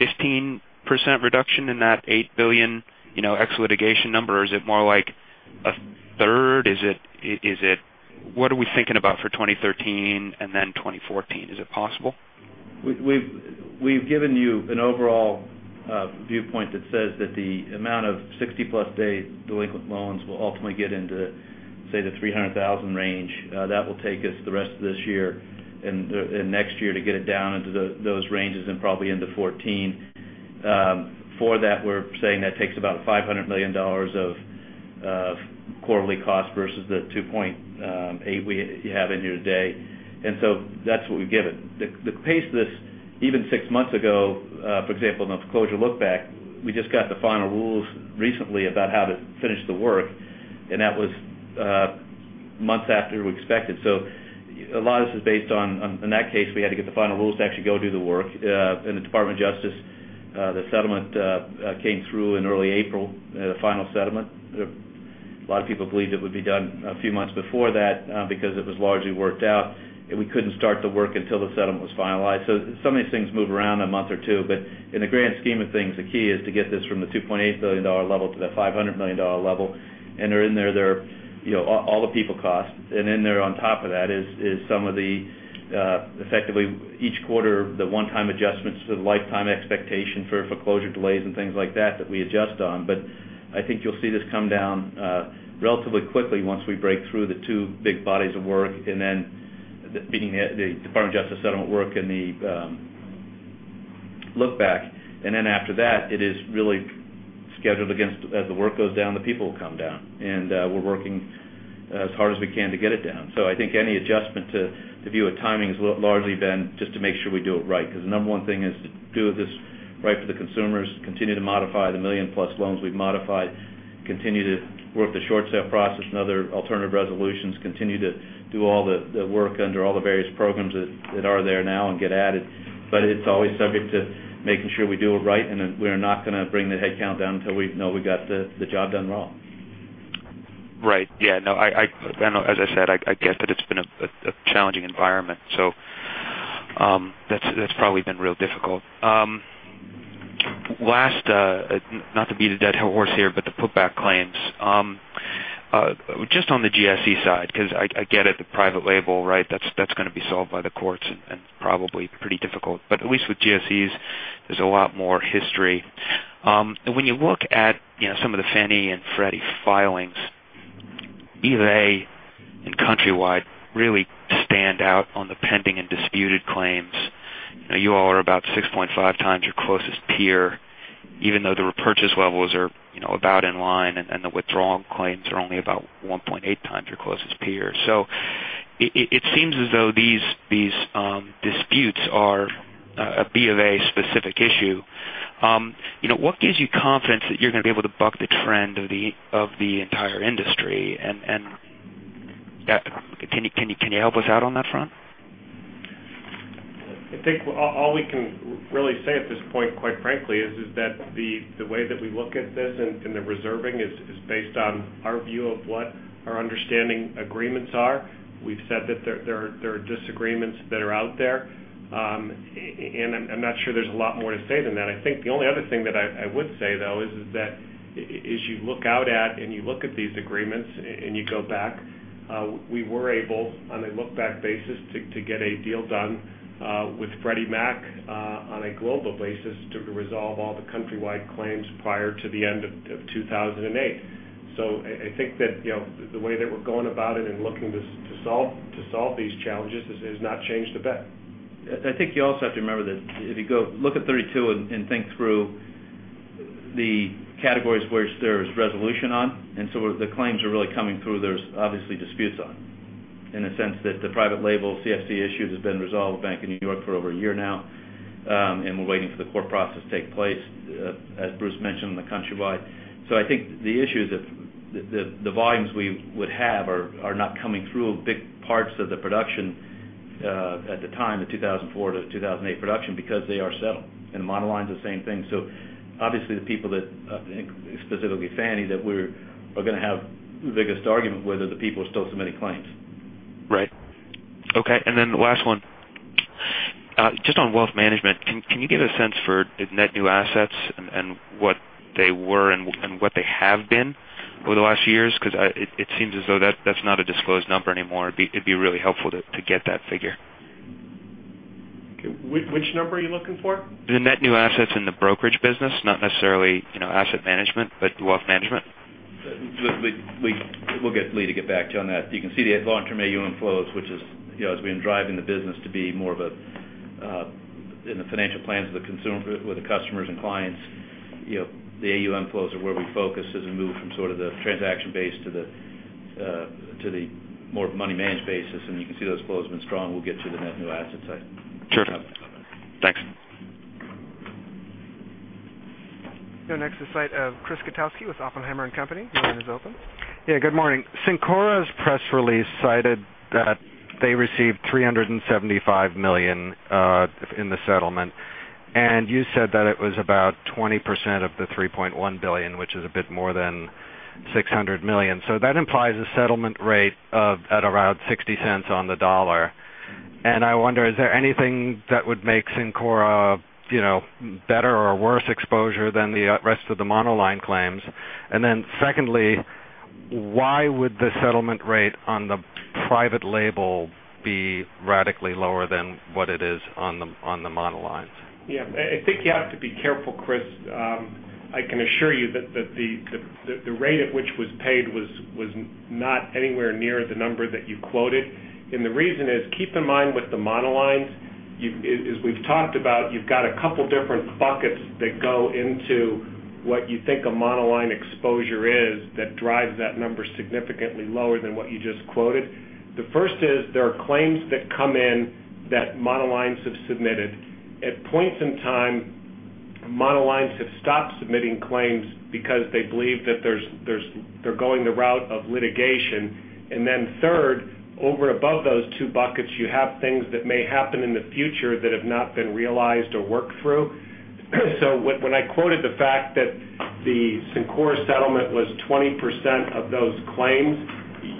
10%-15% reduction in that $8 billion ex litigation number? Or is it more like a third? What are we thinking about for 2013 and then 2014? Is it possible? We've given you an overall viewpoint that says that the amount of 60-plus day delinquent loans will ultimately get into, say, the 300,000 range. That will take us the rest of this year and next year to get it down into those ranges and probably into 2014. For that, we're saying that takes about $500 million of quarterly cost versus the $2.8 billion we have in here today. That's what we've given. The pace of this, even six months ago, for example, in the foreclosure look back, we just got the final rules recently about how to finish the work, and that was months after we expected. A lot of this is based on, in that case, we had to get the final rules to actually go do the work. In the Department of Justice, the settlement came through in early April, the final settlement. A lot of people believed it would be done a few months before that because it was largely worked out, and we couldn't start the work until the settlement was finalized. Some of these things move around a month or two. In the grand scheme of things, the key is to get this from the $2.8 billion level to the $500 million level, and they're in there. All the people cost. In there on top of that is effectively each quarter, the one-time adjustments to the lifetime expectation for foreclosure delays and things like that we adjust on. I think you'll see this come down relatively quickly once we break through the two big bodies of work, then beating the Department of Justice settlement work and the look back. After that, it is really scheduled against as the work goes down, the people will come down. We're working as hard as we can to get it down. I think any adjustment to view a timing has largely been just to make sure we do it right, because the number one thing is to do this right for the consumers, continue to modify the million-plus loans we've modified, continue to work the short sale process and other alternative resolutions, continue to do all the work under all the various programs that are there now and get added. It's always subject to making sure we do it right, and we're not going to bring the headcount down until we know we got the job done well. Right. Yeah. As I said, I get that it's been a challenging environment. That's probably been really difficult. Last, not to beat a dead horse here, the putback claims. Just on the GSE side, because I get it, the private label, that's going to be solved by the courts and probably pretty difficult. At least with GSEs, there's a lot more history. When you look at some of the Fannie and Freddie filings, B of A and Countrywide really stand out on the pending and disputed claims. You all are about 6.5 times your closest peer, even though the repurchase levels are about in line, and the withdrawal claims are only about 1.8 times your closest peer. It seems as though these disputes are a B of A specific issue. What gives you confidence that you're going to be able to buck the trend of the entire industry? Can you help us out on that front? I think all we can really say at this point, quite frankly, is that the way that we look at this and the reserving is based on our view of what our understanding agreements are. We've said that there are disagreements that are out there. I'm not sure there's a lot more to say than that. I think the only other thing that I would say, though, is that as you look out at and you look at these agreements and you go back, we were able, on a look back basis, to get a deal done with Freddie Mac on a global basis to resolve all the Countrywide claims prior to the end of 2008. I think that the way that we're going about it and looking to solve these challenges has not changed a bit. I think you also have to remember that if you go look at 32 and think through The categories where there's resolution on, and so the claims are really coming through, there's obviously disputes on. In a sense that the private label CFC issue has been resolved with Bank of New York for over one year now, and we're waiting for the court process to take place, as Bruce mentioned, on the Countrywide. I think the issues of the volumes we would have are not coming through big parts of the production at the time, the 2004 to 2008 production, because they are settled. The monoline's the same thing. Obviously, the people that, I think specifically Fannie, that we are going to have the biggest argument with are the people who are still submitting claims. Right. Okay, the last one. Just on wealth management, can you give a sense for net new assets and what they were and what they have been over the last years? Because it seems as though that's not a disclosed number anymore. It'd be really helpful to get that figure. Okay. Which number are you looking for? The net new assets in the brokerage business, not necessarily asset management, but wealth management. We'll get Lee to get back to you on that. You can see the long-term AUM flows, which has been driving the business to be more of in the financial plans of the consumer with the customers and clients. The AUM flows are where we focus as we move from sort of the transaction base to the more money managed basis. You can see those flows have been strong. We'll get you the net new assets. Sure. Thanks. Next is Chris Kotowski with Oppenheimer and Company. Your line is open. Yeah, good morning. Syncora's press release cited that they received $375 million in the settlement. You said that it was about 20% of the $3.1 billion, which is a bit more than $600 million. That implies a settlement rate of at around $0.60 on the dollar. I wonder, is there anything that would make Syncora better or worse exposure than the rest of the monoline claims? Then secondly, why would the settlement rate on the private label be radically lower than what it is on the monolines? Yeah. I think you have to be careful, Chris. I can assure you that the rate at which was paid was not anywhere near the number that you quoted. The reason is, keep in mind with the monolines, as we've talked about, you've got a couple different buckets that go into what you think a monoline exposure is that drives that number significantly lower than what you just quoted. The first is there are claims that come in that monolines have submitted. At points in time, monolines have stopped submitting claims because they believe that they're going the route of litigation. Then third, over above those two buckets, you have things that may happen in the future that have not been realized or worked through. When I quoted the fact that the Syncora settlement was 20% of those claims,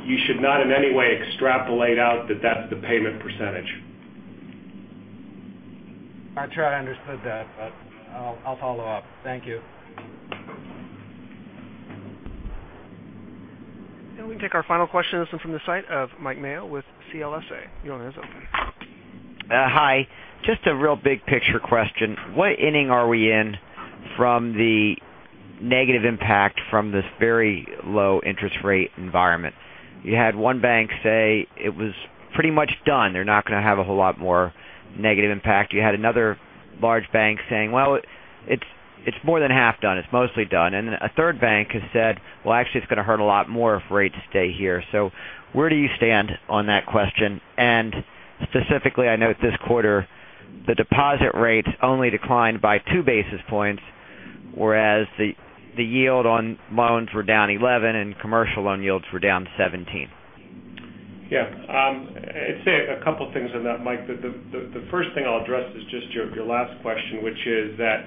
you should not in any way extrapolate out that that's the payment percentage. I'll try. I understood that, but I'll follow up. Thank you. We can take our final question from the site of Mike Mayo with CLSA. Your line is open. Hi. Just a real big picture question. What inning are we in from the negative impact from this very low interest rate environment? You had one bank say it was pretty much done. They're not going to have a whole lot more negative impact. You had another large bank saying, "Well, it's more than half done. It's mostly done." A third bank has said, "Well, actually, it's going to hurt a lot more if rates stay here." Where do you stand on that question? Specifically, I note this quarter, the deposit rates only declined by two basis points, whereas the yield on loans were down 11 and commercial loan yields were down 17. Yeah. I'd say a couple things on that, Mike. The first thing I'll address is just your last question, which is that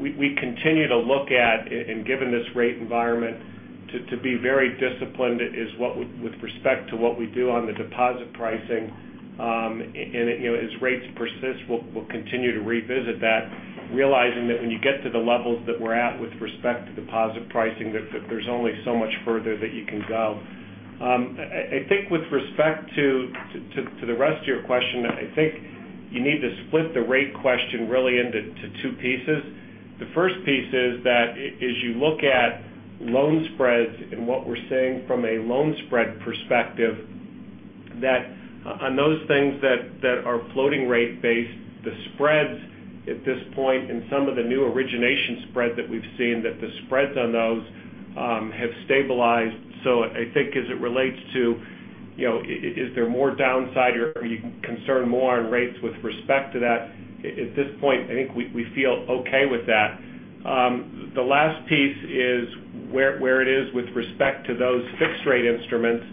we continue to look at, and given this rate environment, to be very disciplined with respect to what we do on the deposit pricing. As rates persist, we'll continue to revisit that, realizing that when you get to the levels that we're at with respect to deposit pricing, that there's only so much further that you can go. I think with respect to the rest of your question, I think you need to split the rate question really into two pieces. The first piece is that as you look at loan spreads and what we're seeing from a loan spread perspective, that on those things that are floating rate based, the spreads at this point and some of the new origination spread that we've seen that the spreads on those have stabilized. I think as it relates to is there more downside or are you concerned more on rates with respect to that? At this point, I think we feel okay with that. The last piece is where it is with respect to those fixed rate instruments.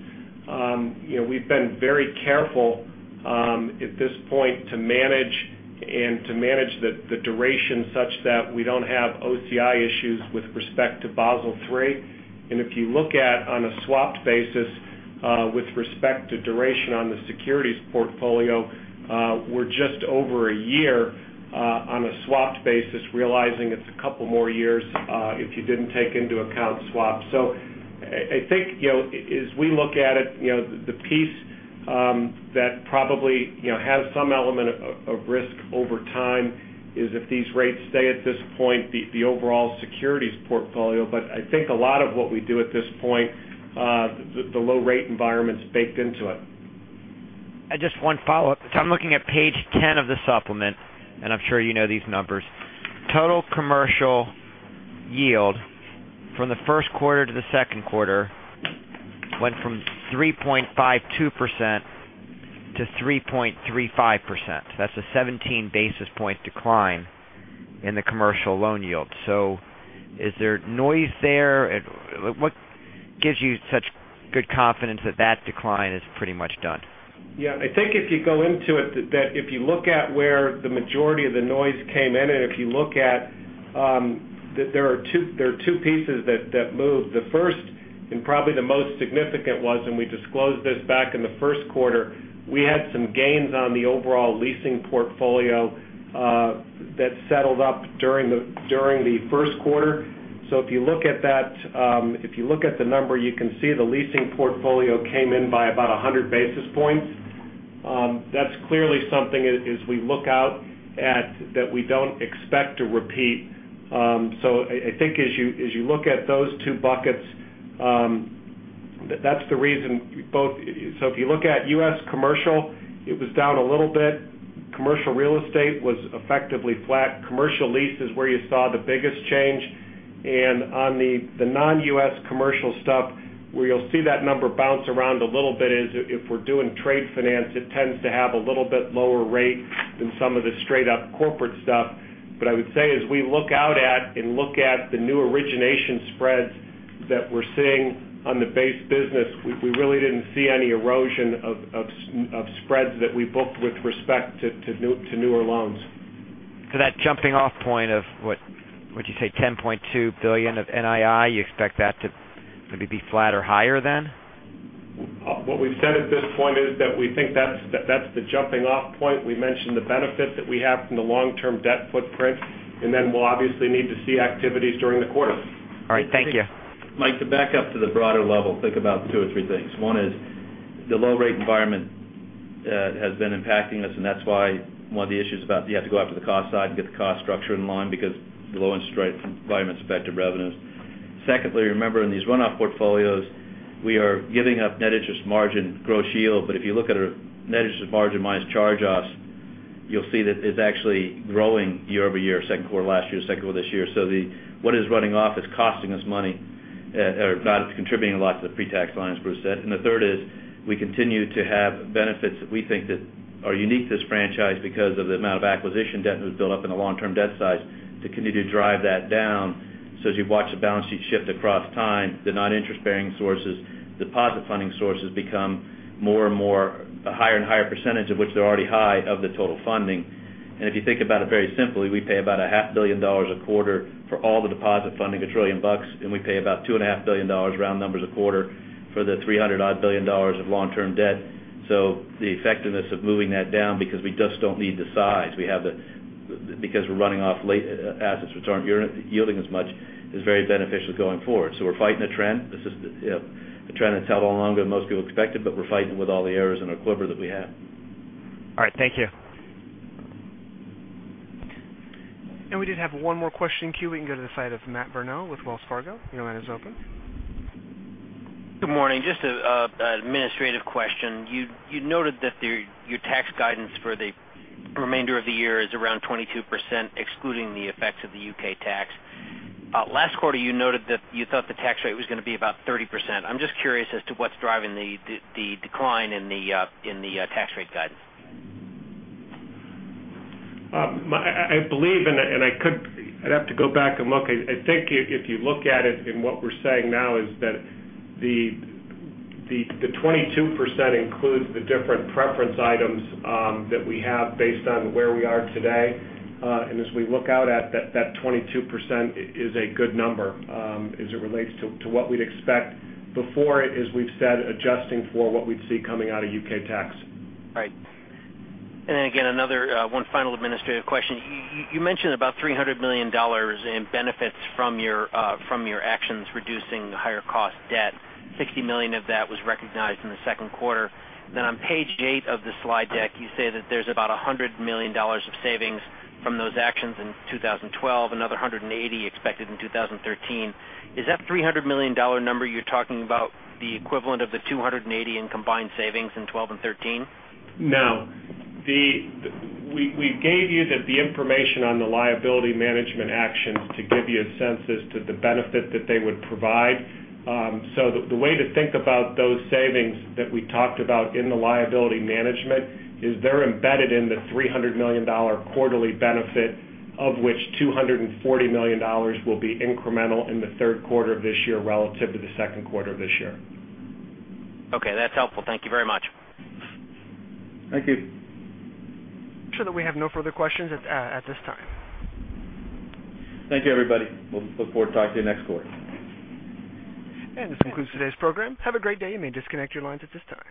We've been very careful at this point to manage the duration such that we don't have OCI issues with respect to Basel III. If you look at on a swapped basis with respect to duration on the securities portfolio, we're just over a year on a swapped basis, realizing it's a couple more years if you didn't take into account swaps. I think as we look at it, the piece that probably has some element of risk over time is if these rates stay at this point, the overall securities portfolio. I think a lot of what we do at this point, the low rate environment's baked into it. Just one follow-up. I'm looking at page 10 of the supplement, and I'm sure you know these numbers. Total commercial yield from the first quarter to the second quarter went from 3.52% to 3.35%. That's a 17 basis point decline in the commercial loan yield. Is there noise there? What gives you such good confidence that that decline is pretty much done? Yeah. I think if you go into it, that if you look at where the majority of the noise came in, and if you look at there are two pieces that moved. The first, and probably the most significant was, and we disclosed this back in the first quarter, we had some gains on the overall leasing portfolio that settled up during the first quarter. If you look at the number, you can see the leasing portfolio came in by about 100 basis points. That's clearly something, as we look out, that we don't expect to repeat. I think as you look at those two buckets, that's the reason. If you look at U.S. commercial, it was down a little bit. Commercial real estate was effectively flat. Commercial lease is where you saw the biggest change. On the non-U.S. commercial stuff, where you'll see that number bounce around a little bit is if we're doing trade finance, it tends to have a little bit lower rate than some of the straight-up corporate stuff. I would say as we look out at and look at the new origination spreads that we're seeing on the base business, we really didn't see any erosion of spreads that we booked with respect to newer loans. That jumping-off point of what, would you say $10.2 billion of NII, you expect that to maybe be flat or higher then? What we've said at this point is that we think that's the jumping-off point. We mentioned the benefit that we have from the long-term debt footprint, then we'll obviously need to see activities during the quarter. All right. Thank you. Mike, to back up to the broader level, think about two or three things. One is the low rate environment has been impacting us, and that's why one of the issues about you have to go out to the cost side and get the cost structure in line because the low interest rate environment's affected revenues. Secondly, remember, in these runoff portfolios, we are giving up net interest margin gross yield. But if you look at our net interest margin minus charge-offs, you'll see that it's actually growing year-over-year, second quarter last year, second quarter this year. What is running off is costing us money or not contributing a lot to the pre-tax lines, Bruce said. The third is we continue to have benefits that we think that are unique to this franchise because of the amount of acquisition debt that was built up in the long-term debt side to continue to drive that down. As you've watched the balance sheet shift across time, the non-interest-bearing sources, deposit funding sources become more and more, a higher and higher percentage of which they're already high of the total funding. If you think about it very simply, we pay about a half billion dollars a quarter for all the deposit funding, $1 trillion, and we pay about $2.5 billion, round numbers, a quarter for the 300-odd billion dollars of long-term debt. The effectiveness of moving that down because we just don't need the size because we're running off legacy assets which aren't yielding as much, is very beneficial going forward. We're fighting a trend. This is a trend that's held on longer than most people expected, but we're fighting with all the arrows in our quiver that we have. All right. Thank you. We did have one more question in queue. We can go to the side of Matt Burnell with Wells Fargo. Your line is open. Good morning. Just an administrative question. You noted that your tax guidance for the remainder of the year is around 22%, excluding the effects of the U.K. tax. Last quarter, you noted that you thought the tax rate was going to be about 30%. I'm just curious as to what's driving the decline in the tax rate guidance. I believe, I'd have to go back and look. I think if you look at it, what we're saying now is that the 22% includes the different preference items that we have based on where we are today. As we look out at that 22% is a good number as it relates to what we'd expect before it, as we've said, adjusting for what we'd see coming out of U.K. tax. All right. Then again, another one final administrative question. You mentioned about $300 million in benefits from your actions reducing the higher cost debt. $60 million of that was recognized in the second quarter. On page eight of the slide deck, you say that there's about $100 million of savings from those actions in 2012, another $180 million expected in 2013. Is that $300 million number you're talking about the equivalent of the $280 million in combined savings in 2012 and 2013? No. We gave you the information on the liability management actions to give you a sense as to the benefit that they would provide. The way to think about those savings that we talked about in the liability management is they're embedded in the $300 million quarterly benefit, of which $240 million will be incremental in the third quarter of this year relative to the second quarter of this year. Okay. That's helpful. Thank you very much. Thank you. Sure that we have no further questions at this time. Thank you, everybody. We'll look forward to talking to you next quarter. This concludes today's program. Have a great day. You may disconnect your lines at this time.